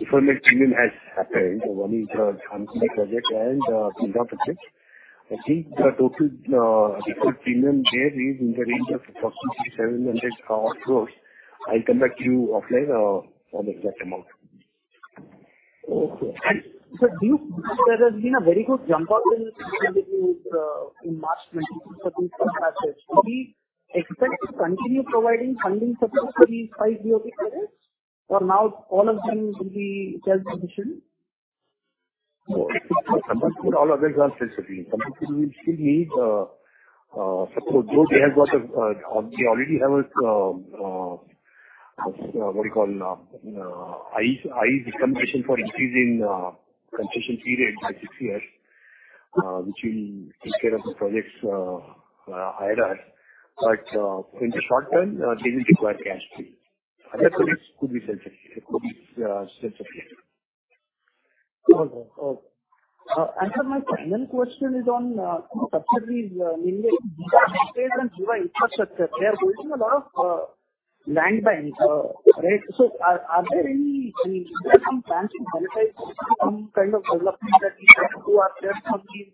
S4: deferment premium has occurred. One is Jhansi project and Pindwara project. I think the total default premium there is in the range of approximately 700 crores. I'll come back to you offline on the exact amount.
S12: Okay. Sir, there has been a very good jump of the in March 2025. Do we expect to continue providing funding support for these five BOT projects, or now all of them will be self-sufficient?
S4: All of them are self-sufficient. Some will still need support, though they have got a, they already have a, what you call, high recommendation for increasing concession period by six years, which will take care of the projects' IRR. In the short term, they will require cash flow. Other projects could be self-sufficient.
S12: Okay. Okay. Sir, my final question is on, subsequently, India and infrastructure. They are holding a lot of land banks, right? So are there any plans to monetize some kind of development that we can do, or just on these,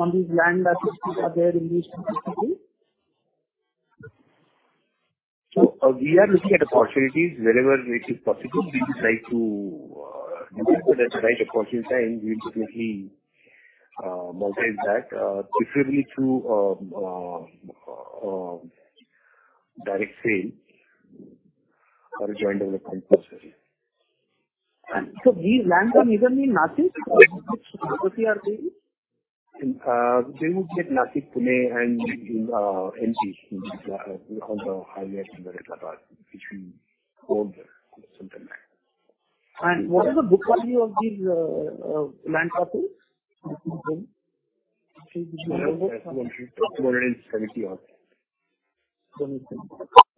S12: on these land assets, are there any possibilities?
S4: We are looking at opportunities. Wherever it is possible, we would like to, if that's the right opportunity time, we would definitely monetize that, preferably through direct sale or a joint development process.
S12: These land bank, you mean Nashik or Mumbai are they?
S4: They would get Nashik, Pune, and MP, which is on the highway in Madhya Pradesh, which we own there, something like that.
S12: What is the book value of these land parcels?
S4: Approximately 70 odd.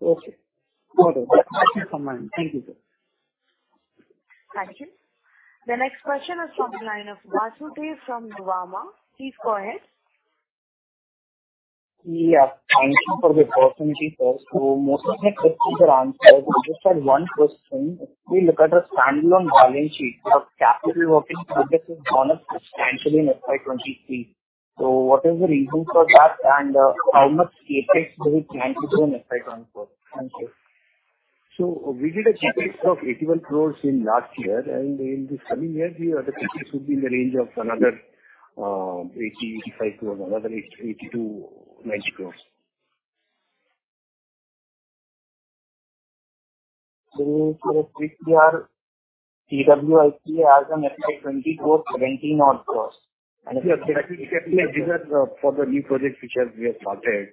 S12: Okay. All right. Thank you so much. Thank you, sir.
S1: Thank you. The next question is from the line of Vasudev from Nuvama. Please go ahead.
S13: Yeah, thank you for the opportunity, sir. Most of my questions are answered. I just had one question. We look at the standalone balance sheet of capital working, which has gone up substantially in FY 2023. What is the reason for that, and how much CapEx do we plan to do in FY 2024? Thank you.
S4: We did a CapEx of INR 81 crores in last year, and in this coming year, the CapEx would be in the range of another INR 80-85 crores, another INR 80-90 crores.
S13: quickly, our CWIP as on FY 2024, INR 17 odd crore.
S4: Yeah, these are for the new projects which we have started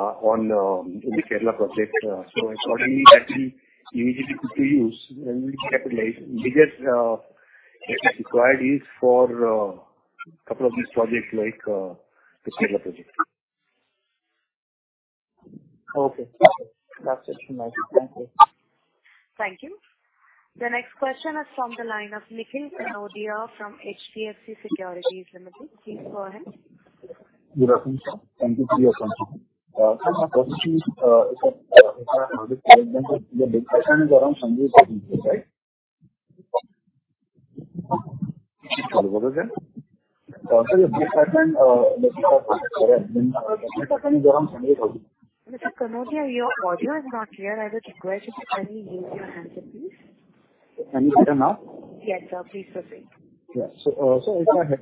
S4: on in the Kerala project. Accordingly, that will immediately put to use and we capitalize. This CapEx required is for couple of these projects, like the Kerala project.
S13: Okay. That's it. Thank you.
S1: Thank you. The next question is from the line of Nikhil Kanodia from HDFC Securities Limited. Please go ahead.
S14: Good afternoon. Thank you for your question. My question is, the bid plan is around 72,000 crores, right?
S4: Sorry, which deal sir? sir, the bid plan,
S1: Mr. Kanodia, your audio is not clear. I would request you to kindly raise your hand please.
S14: Am I better now?
S1: Yes, sir. Please proceed.
S14: Yeah. As I had,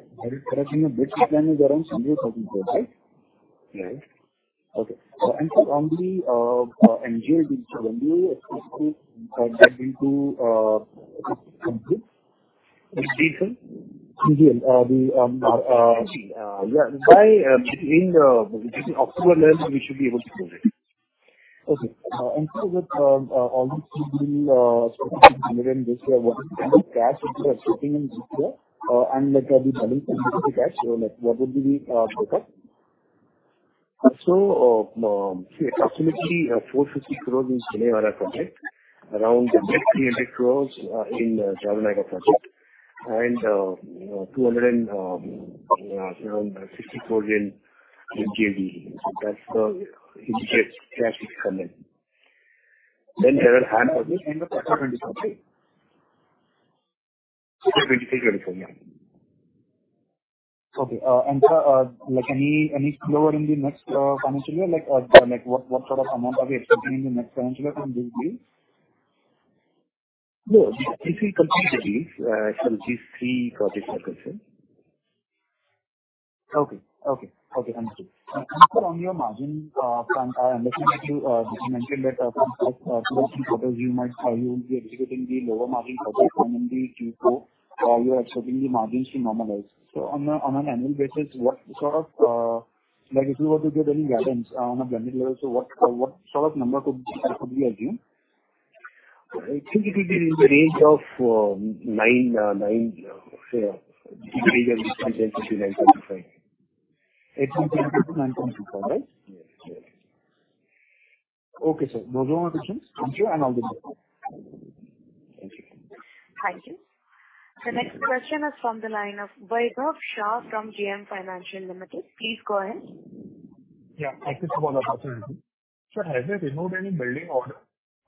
S14: correct me, the bid plan is around Sunday, INR 1,000 crores, right?
S4: Right.
S14: Okay. Only NJO, when do you expect it that to complete? In December?
S4: Yeah, between October and November, we should be able to close it.
S14: Okay. Sir, with all these three projects generated this year, what kind of cash would you are sitting in this year, and like the balance sheet cash, so like what would be the breakup?
S4: Approximately, 450 crores in Chennai project, around 300 crores, in Jaora-Nayagaon project, and 260 crores in MNGL. That's the indicate cash coming.
S14: end of 2024, right?
S4: 23, 24, yeah.
S14: Okay, like any flow in the next financial year, or like what sort of amount are we expecting in the next financial year from these deals?
S4: No, if we complete the deals, so these three projects are concerned.
S14: Okay. Okay. Okay, thank you. Sir, on your margin, I understand that you did mention that from those projects you might or you will be executing the lower margin project coming in the Q4, you are expecting the margins to normalize. On a, on an annual basis, what sort of, like if you were to give any guidance on a blended level, so what sort of number could we assume?
S4: I think it will be in the range of say between 9.2, 9.5.
S15: 8.2-9.2, right?
S4: Yes.
S14: Okay. Okay, sir. Those are all my questions. Thank you and have a good day. Thank you.
S1: Thank you. The next question is from the line of Vaibhav Shah from JM Financial Limited. Please go ahead.
S16: Yeah, thank you for the opportunity. Sir, have you removed any building order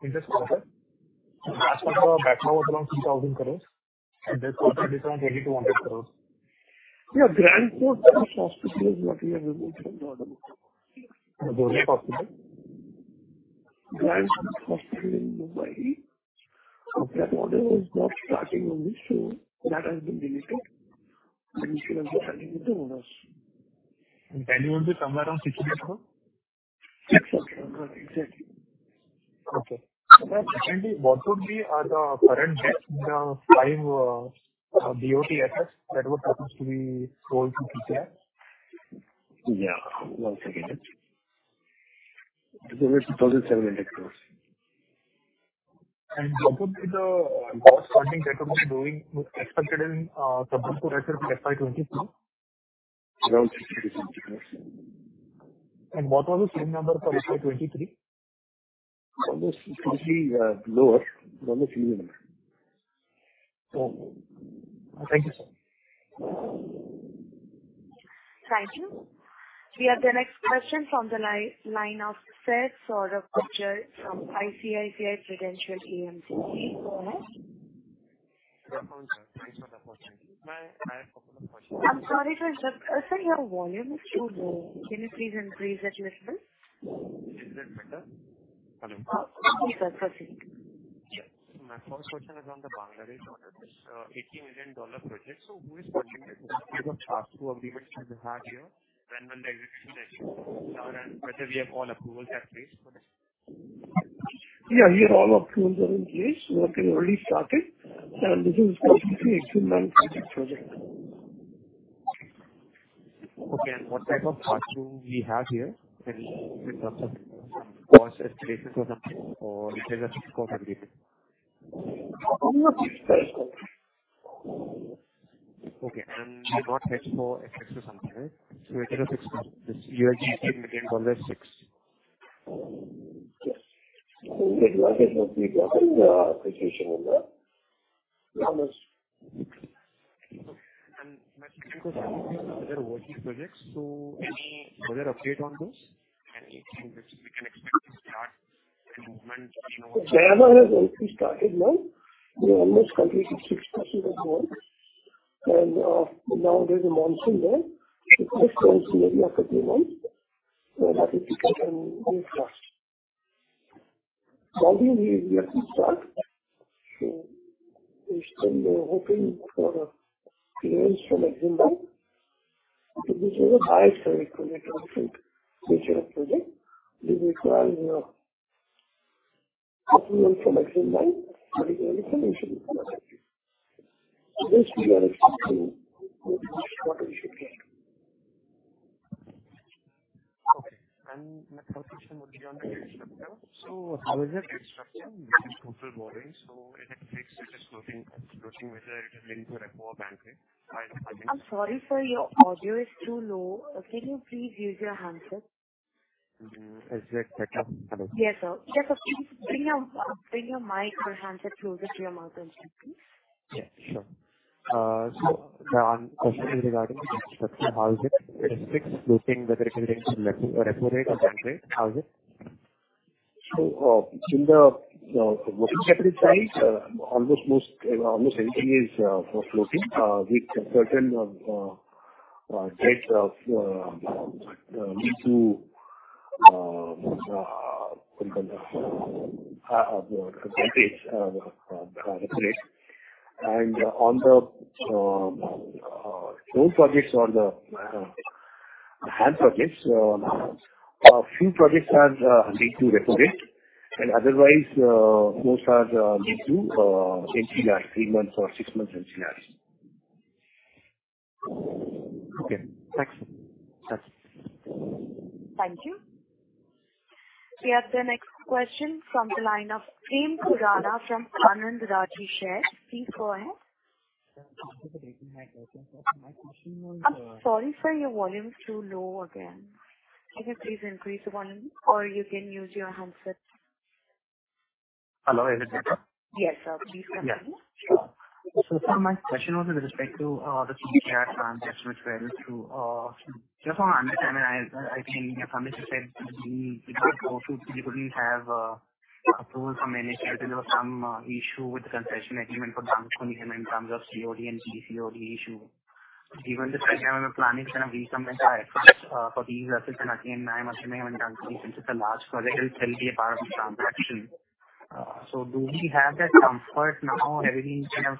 S16: in this quarter? As per the background, around INR 2,000 crores, and there's also a different INR 2,100 crores.
S4: Yeah, Grand Court Hospital is what we have removed from the order.
S16: Grand Court Hospital?
S4: Grand Court Hospital in Mumbai. That order was not starting only, so that has been deleted, and we should have been signing with the owners.
S16: Value would be somewhere around 60 crores?
S4: Yes, sir. Exactly.
S16: Okay. Sir, secondly, what would be the current debt in the five BOT assets that were supposed to be sold to PFA?
S4: Yeah. One second. It's INR 1,700 crores.
S16: What would be the gross funding that you are doing with expected in, sometime for FY 2024?
S4: Around INR 67 crores.
S16: What was the same number for FY 2023?
S4: Almost slightly, lower from the previous number.
S16: Oh, thank you, sir.
S1: Thank you. We have the next question from the line of Saif Gujar from ICICI Prudential AMC. Please go ahead.
S17: Yeah, thank you for the opportunity. I have a couple of questions.
S1: I'm sorry, sir. Sir, your volume is too low. Can you please increase it a little?
S17: Is that better? Hello.
S1: Okay, sir. Perfect.
S17: My first question is on the Bangladesh order. It's an $80 million project, who is participating? What type of partnership agreements we have here when the execution is due, and whether we have all approvals are in place for this?
S3: Here all approvals are in place. Work is already started. This is actually an excellent project.
S17: Okay, what type of partnership we have here in terms of cost estimations or something, or is there a scope agreement?
S3: Scope agreement.
S17: We are not exposed to FX or something, right? We can fix this $6 million.
S3: We get mostly profit situation on that. Almost.
S17: My second question, are there working projects? Any further update on this, and we can expect to start the movement in our-
S3: Yeah, we have already started now. We almost completed 6% of work. Now there's a monsoon there. It will close maybe after three months, and that is when we can move fast. Bali, we have to start. We're still hoping for clearance from Exim Bank. This is a bi-annual project, different nature of project. We require approval from Exim Bank, particularly from Exim Bank. This we are expecting what we should get.
S17: My third question would be on the structure. How is it structure? Which is total modeling, it takes it is floating, whether it will link to a poor bank rate?
S1: I'm sorry, sir, your audio is too low. Can you please use your handset?
S17: Is that better?
S1: Yes, sir. Just, bring your mic or handset closer to your mouth once again, please.
S17: Yeah, sure. The question is regarding the structure. How is it? It is fixed, floating, whether it will link to a repo rate or bank rate. How is it?
S3: In the working category side, almost everything is for floating with certain rate of lead to advantage rate. On the projects, a few projects are need to refinate, and otherwise, most are need to NCI, three months or six months NCI.
S17: Okay, thanks. That's it.
S1: Thank you. We have the next question from the line of Prem Khurana from Anand Rathi Share. Please go ahead.
S18: My question was-
S1: I'm sorry, sir, your volume is too low again. Can you please increase the volume or you can use your handset?
S18: Hello, is it better?
S1: Yes, sir. Please continue.
S18: Yeah. Sir, my question was with respect to the share transaction which went through. Just want to understand, and I think as you said, we couldn't have approved from NLC because there was some issue with the concession agreement for Dankuni in terms of COD and DCOD issue. Given the fact that we are planning to re-submit our efforts for these assets, and again, I'm assuming when Dankuni, since it's a large project, it will still be a part of the transaction. Do we have that comfort now, everything kind of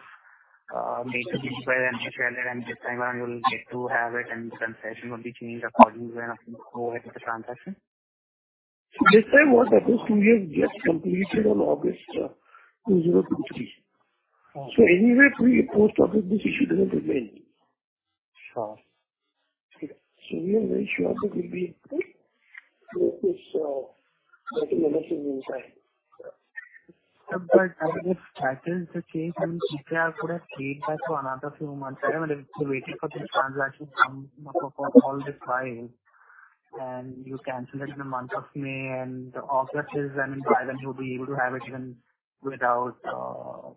S18: made to be by NLC, and this time around we'll get to have it, and the concession will be changed according to the transaction?
S3: This time what happens, we have just completed on August 2023.
S18: Oh.
S3: Anyway, pre-post office, this issue doesn't remain.
S18: Sure.
S3: We are very sure that we'll be getting the message inside.
S18: If that is the case, ICICI could have stayed back for another few months, waiting for this transaction from all the files, you cancel it in the month of May, August is when buyer will be able to have it even without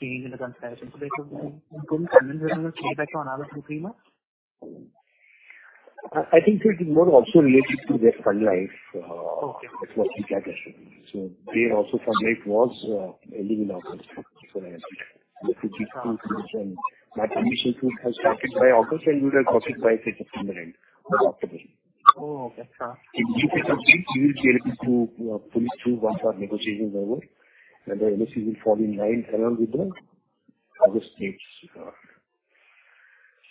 S18: changing the consideration. They could convince them to stay back for another two, three months?
S4: I think it is more also related to their fund life.
S18: Okay.
S4: That's what we suggested. They also fund life was ending in August. I think that initiative was started by August, we would have crossed it by September end or October.
S18: Oh, okay. Sure.
S4: If you get the date, you will be able to fully through once our negotiations are over, and the NOC will fall in line around with the other states.
S18: Sure.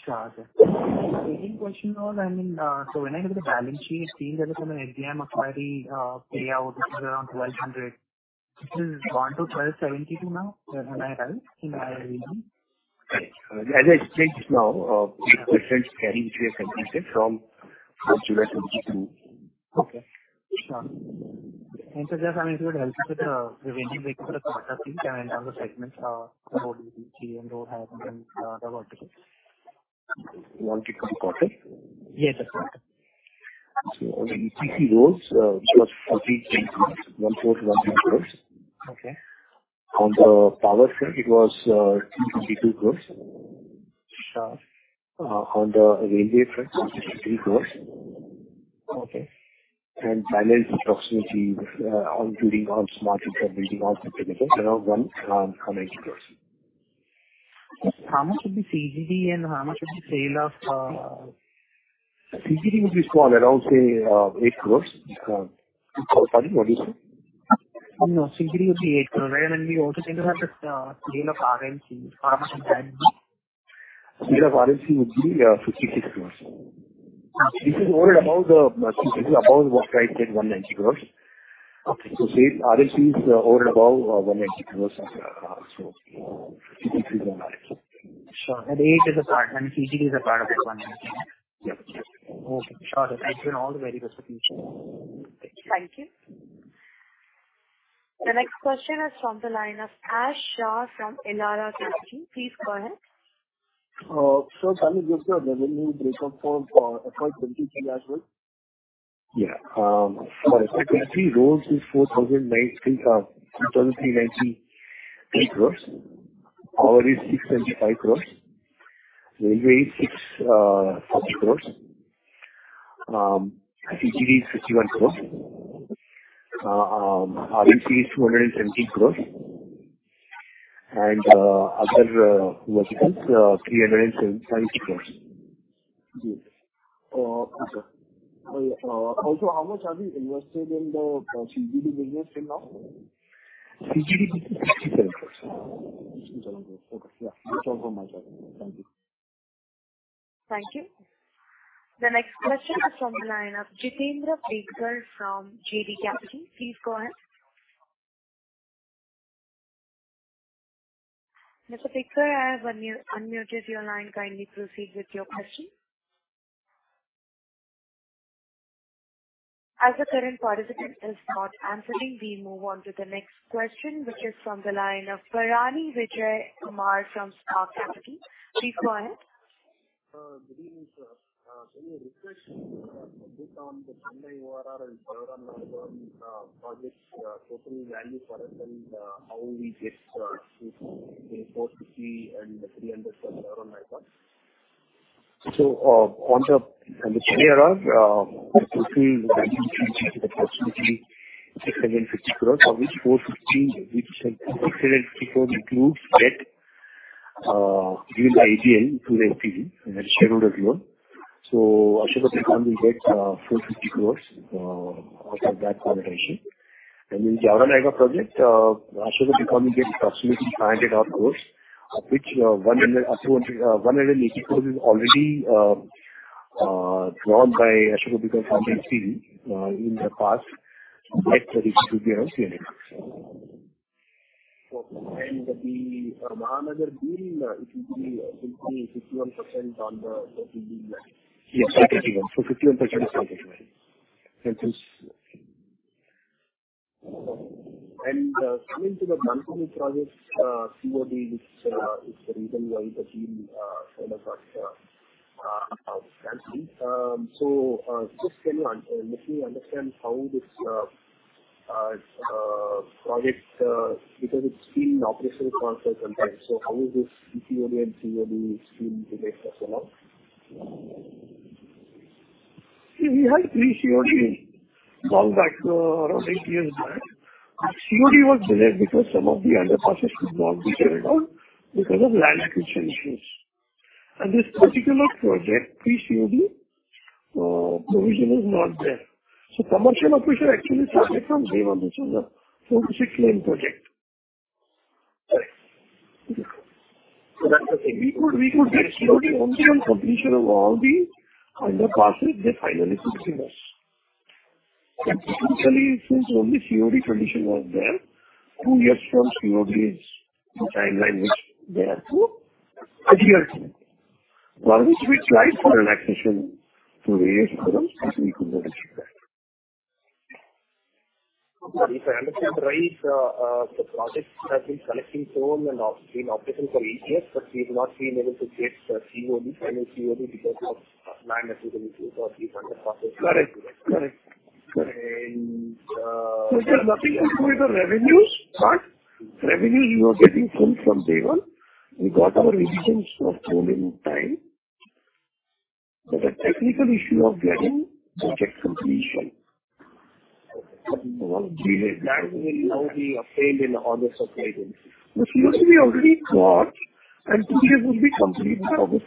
S18: The second question was, I mean, when I look at the balance sheet, it seems as if an AGM inquiry, payout, which is around 1,200, which is INR 1 to 1,272 now, am I right? In my reading.
S4: As I explained just now, it's different carrying, which we have completed from July 2022.
S18: Okay. Sure. Just I mean to help you with the revenue breakup for the quarter and other segments, about GM road and the other verticals.
S4: You want to become quarter?
S18: Yes, that's right.
S4: on the CC roads, which was 43 crores, 14-15 crores.
S18: Okay.
S4: On the power front, it was 2 crores.
S18: Sure.
S4: On the railway front, it was 53 crores.
S18: Okay.
S4: Balance approximately, including all smart infrastructure, building all the terminals, around INR 100 crores.
S18: How much would be CGD and how much would be sale of?
S4: CGD would be small, around, say, 8 crores. Pardon, what did you say?
S18: No, CGD would be 8 crores. Then we also seem to have the sale of RNC. How much is that?
S4: Sale of RNC would be INR 56 crore.
S18: Okay.
S4: This is over and above the, excuse me, above what I said, 190 crores.
S18: Okay.
S4: say, RNC is over and above INR 190 crores also. 56 crores.
S18: Sure, eight is a part, and CGD is a part of this one?
S4: Yep.
S18: Okay, sure. That's been all the various questions.
S1: Thank you. The next question is from the line of Ash Shah from Elara Capital. Please go ahead.
S19: Can you give the revenue breakup for FY 23 as well?
S4: Yeah. For FY 2023, roads is 2,398 crores. Power is 675 crores. Railway is 7 crores. CGD is 51 crores. RNC is 217 crores. Other verticals INR 375 crores.
S19: Yes. Okay. Also, how much have you invested in the CGD business till now?
S4: CGD is INR 67 crores.
S19: Okay. Yeah, that's all from my side. Thank you.
S1: Thank you. The next question is from the line of Jitendra Soni from JD Capital. Please go ahead. Mr. Biggal, I have unmuted your line. Kindly proceed with your question. As the current participant is not answering, we move on to the next question, which is from the line of Bharanidhar Vijayakumar from Spark Capital. Please go ahead.
S20: Good evening, sir. Can you repeat on the Chennai ORR and Puram projects total value for us and how we get INR 450 and INR 307 around my funds?
S4: On the Chennai ORR, the total value is approximately INR 650 crore, of which INR 450, which is INR 650 crore, includes debt given by API to the FPG, and it's scheduled as well. Ashoka Buildcon will get INR 450 crore out of that project issue. In Jaora-Nayagaon project, Ashoka because we get approximately signed it, of course, of which 100, up to 184 is already drawn by Ashoka because company C, in the past, like 32 billion CNN.
S20: The Mahanagar being, it will be 51% on the total bill?
S4: Yes, 51. 51% is 51.
S20: Coming to the Bangalore projects, COD, which is the reason why the team kind of got fancy. Just can you make me understand how this project, because it's been operational for some time, how is this ECOD and COD still in place for so long?
S4: We had pre-COD long back, around eight years back. COD was delayed because some of the underpasses could not be carried out because of land acquisition issues. This particular project, pre-COD, provision is not there. Commercial operation actually started from day one. It's a clean project.
S20: Right.
S3: That's the thing. We could get COD only on completion of all the underpasses, they finally could see us. Essentially, since only COD tradition was there, two years from COD is the timeline which they are to adhere to. For which we tried for relaxation through various forums, but we could not achieve that.
S20: If I understand right, the project has been collecting toll and has been operating for eight years, but we've not been able to get the COD, final COD, because of land acquisition issues or these underpasses.
S3: Correct. Correct.
S20: And, uh-
S3: It has nothing to do with the revenues, but revenue we were getting from day one. We got our revisions for tolling time, but the technical issue of getting project completion was delayed.
S20: Land will now be obtained in August of 2018.
S3: Which we already got, and two years will be complete August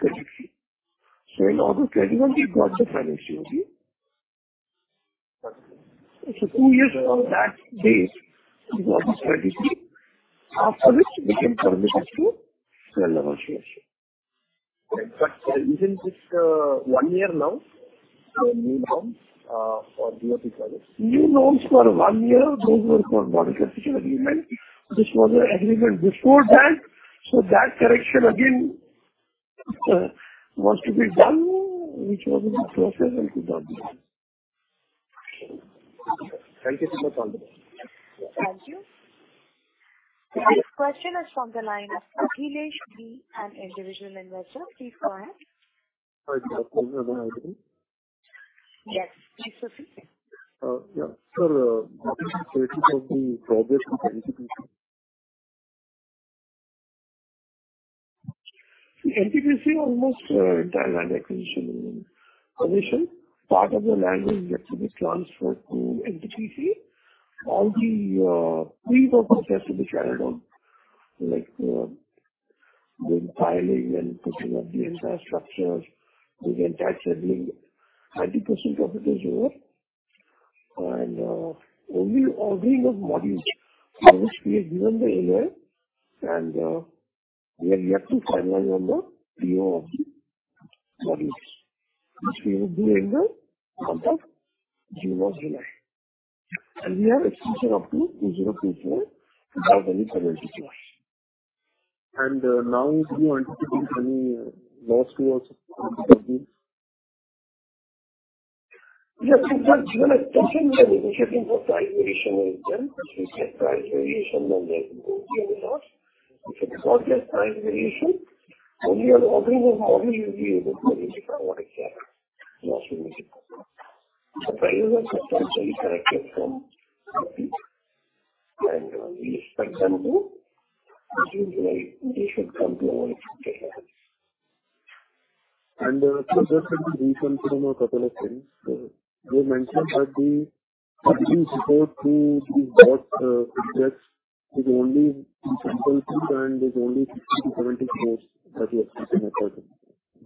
S3: 2023. In August 2021, we got the final COD.
S20: Got you.
S3: Two years from that date is August 23, after which we can permit it to well evaluation.
S20: Right. isn't this, one year now, a new norm, for BOT projects?
S3: New norms for one year, those were for modification agreement. This was an agreement before that. That correction again, was to be done, which was in the process and could not be done.
S20: Thank you, Sir Palani.
S1: Thank you. The next question is from the line of Akhilesh B, an individual investor. Please go ahead.
S21: Hi, Dr. Akhilesh B
S1: Yes, please proceed.
S21: Yeah. Sir, what is the status of the progress in NTPC?
S3: NTPC, almost, entire land acquisition is in position. Part of the land is yet to be transferred to NTPC. All the pre-work has to be carried on, like, the piling and putting up the entire structures, with the entire settling. 90% of it is over, and, only ordering of modules for which we have given the MOI, and, we are yet to finalize on the PO of the modules, which we will do in the month of June or July. We have extension up to 2024, without any penalty clause.
S21: Now is he anticipating any loss to us in this?
S3: Yes, in fact, even at present, we are negotiating for price variation with them. If we get price variation, then there will be a loss. If we don't get price variation, only the ordering of modules will be able to negotiate what exactly loss we receive. The prices are substantially selected from NTPC. For example, this July, they should come to our future.
S21: Just for the recent from a couple of things, they mentioned that the, report to the dot, projects is only in sample two, there's only 60 to 70 stores that he has seen in person.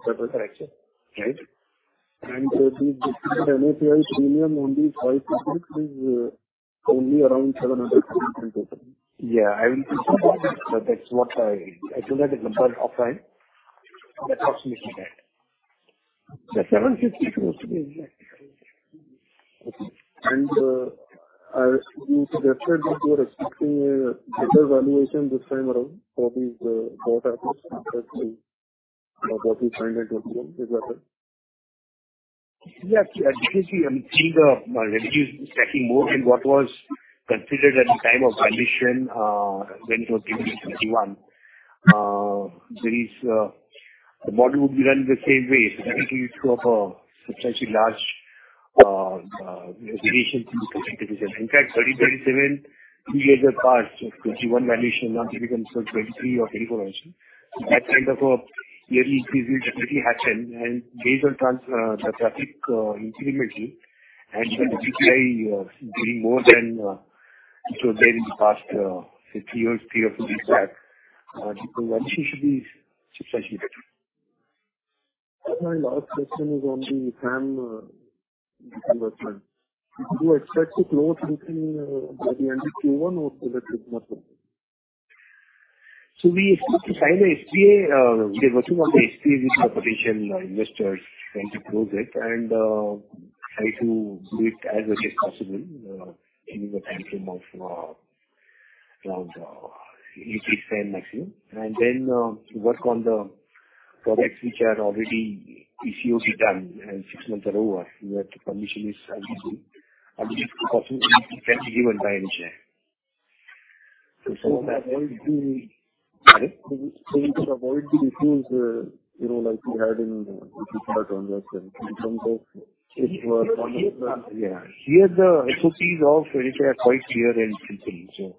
S3: That is correct.
S21: Right? The NAPI premium only 5% is only around INR 750,000.
S4: Yeah, that's what I forgot the number off time. That's approximately that. The 750 supposed to be exact.
S21: Okay. I assume therefore, that you are expecting a better valuation this time around for these, four types, compared to what we found in 2021, is that right?
S4: Actually, I think the revenue is stacking more than what was considered at the time of valuation, when it was given in 2021. There is, the model would be run the same way. I think it's sort of a substantially large variation can be expected. In fact, 37, two years have passed since 2021 valuation, now it becomes 2023 or 2024 valuation. That kind of a yearly increase will definitely happen, and based on trans, the traffic, incrementally, and the GPI, being more than, it was there in the past, say, two years, period of delay, the valuation should be substantially better.
S21: My last question is on the PAM investment. Do you expect to close between by the end of Q1 or will it be more?
S4: We expect to sign a SPA, we are working on the SPA with the potential investors trying to close it and, try to do it as early as possible, in the timeframe of, around, eight to 10 maximum. Then, work on the projects which are already ECO done, and six months are over, where the permission is obviously possible, can be given by initially.
S21: to avoid.
S4: Pardon?
S21: To avoid the issues, you know, like we had in the previous projects in terms of-
S4: Yeah. Here the SOPs of NHAI are quite clear and simple, so.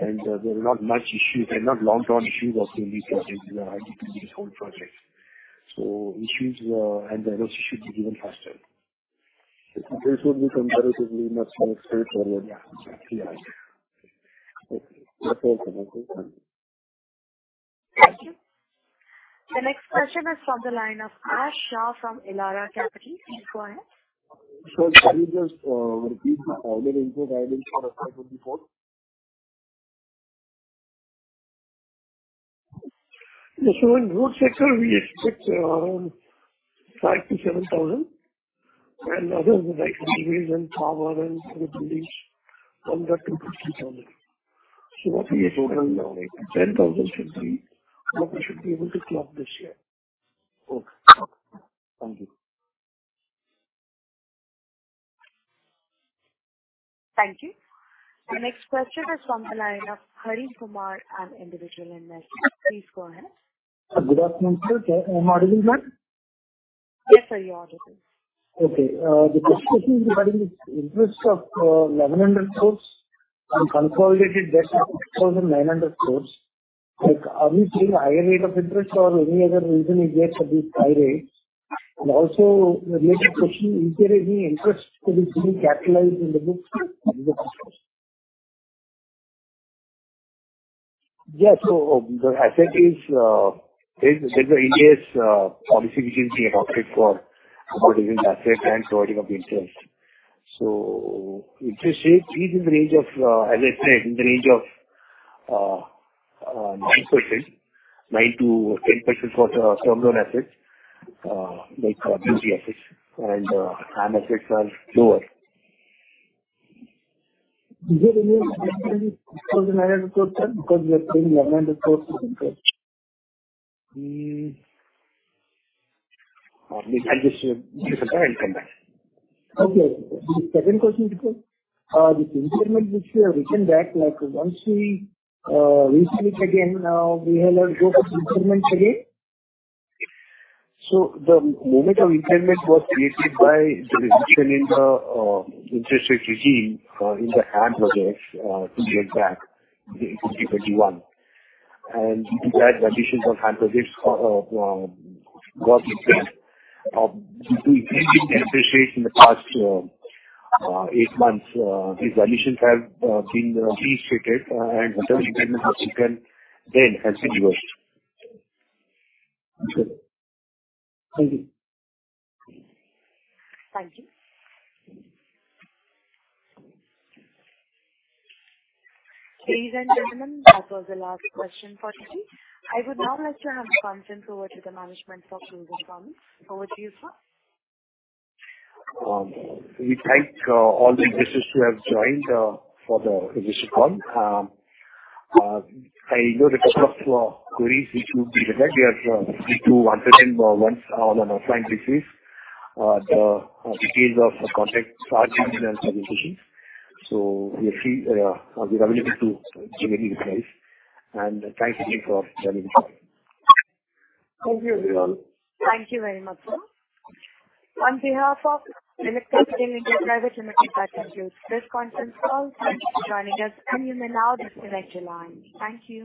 S4: There are not much issues and not long-term issues that will be facing this whole project. Issues and the risk should be even faster.
S21: This will be comparatively much more straightforward.
S4: Yeah.
S21: Yeah. Okay, that's all. Thank you.
S1: Thank you. The next question is from the line of Ash Shah from Elara Capital. Please go ahead.
S19: Sir, can you just repeat the earlier input item for the slide 24?
S3: In road sector, we expect around 5,000-7,000, and others like highways and power and buildings, INR 150,000. That will be a total of 10,000 should be, what we should be able to club this year.
S19: Okay. Thank you.
S1: Thank you. The next question is from the line of Hari Kumar, an individual investor. Please go ahead.
S22: Good afternoon, sir. Am I audible, ma'am?
S1: Yes, sir, you're audible.
S22: Okay, the first question regarding the interest of INR 1,100 crore and consolidated debt of INR 6,900 crore. Like, are we paying higher rate of interest or any other reason it gets at this high rate? Also, a related question, is there any interest that is being capitalized in the books?
S4: The asset is, there's a NHAI's policy which we adopted for acquiring assets and providing of the interest. Interest rate is in the range of, as I said, in the range of 9%, 9%-10% for the term loan assets, like public assets and high assets are lower.
S22: Is it any INR 1,900 crores, sir, because you are saying INR 1,100 crores?
S4: I'll just look it up and come back.
S22: The second question is, this increment which you have written back, once we receive it again, we will go for the increments again?
S4: The moment of increment was created by the reduction in the interest rate regime in the HAM projects two years back, in 2021. Into that, the additions of HAM projects got impact. Increasing the interest rates in the past eight months, these additions have been restricted, and the term increment has been reversed.
S22: Okay. Thank you.
S1: Thank you. Ladies and gentlemen, that was the last question for today. I would now like to hand the conference over to the management for closing comments. Over to you, sir.
S4: We thank all the investors who have joined for the investor call. I know a couple of queries which will be addressed. We are free to answer them once on an offline basis. The details of contact are in the presentation. We are free, we are available to give any advice, and thank you again for joining us.
S3: Thank you, everyone.
S1: Thank you very much, sir. On behalf of PhillipCapital (India) Private Limited, I thank you. This conference call, thank you for joining us, and you may now disconnect your line. Thank you.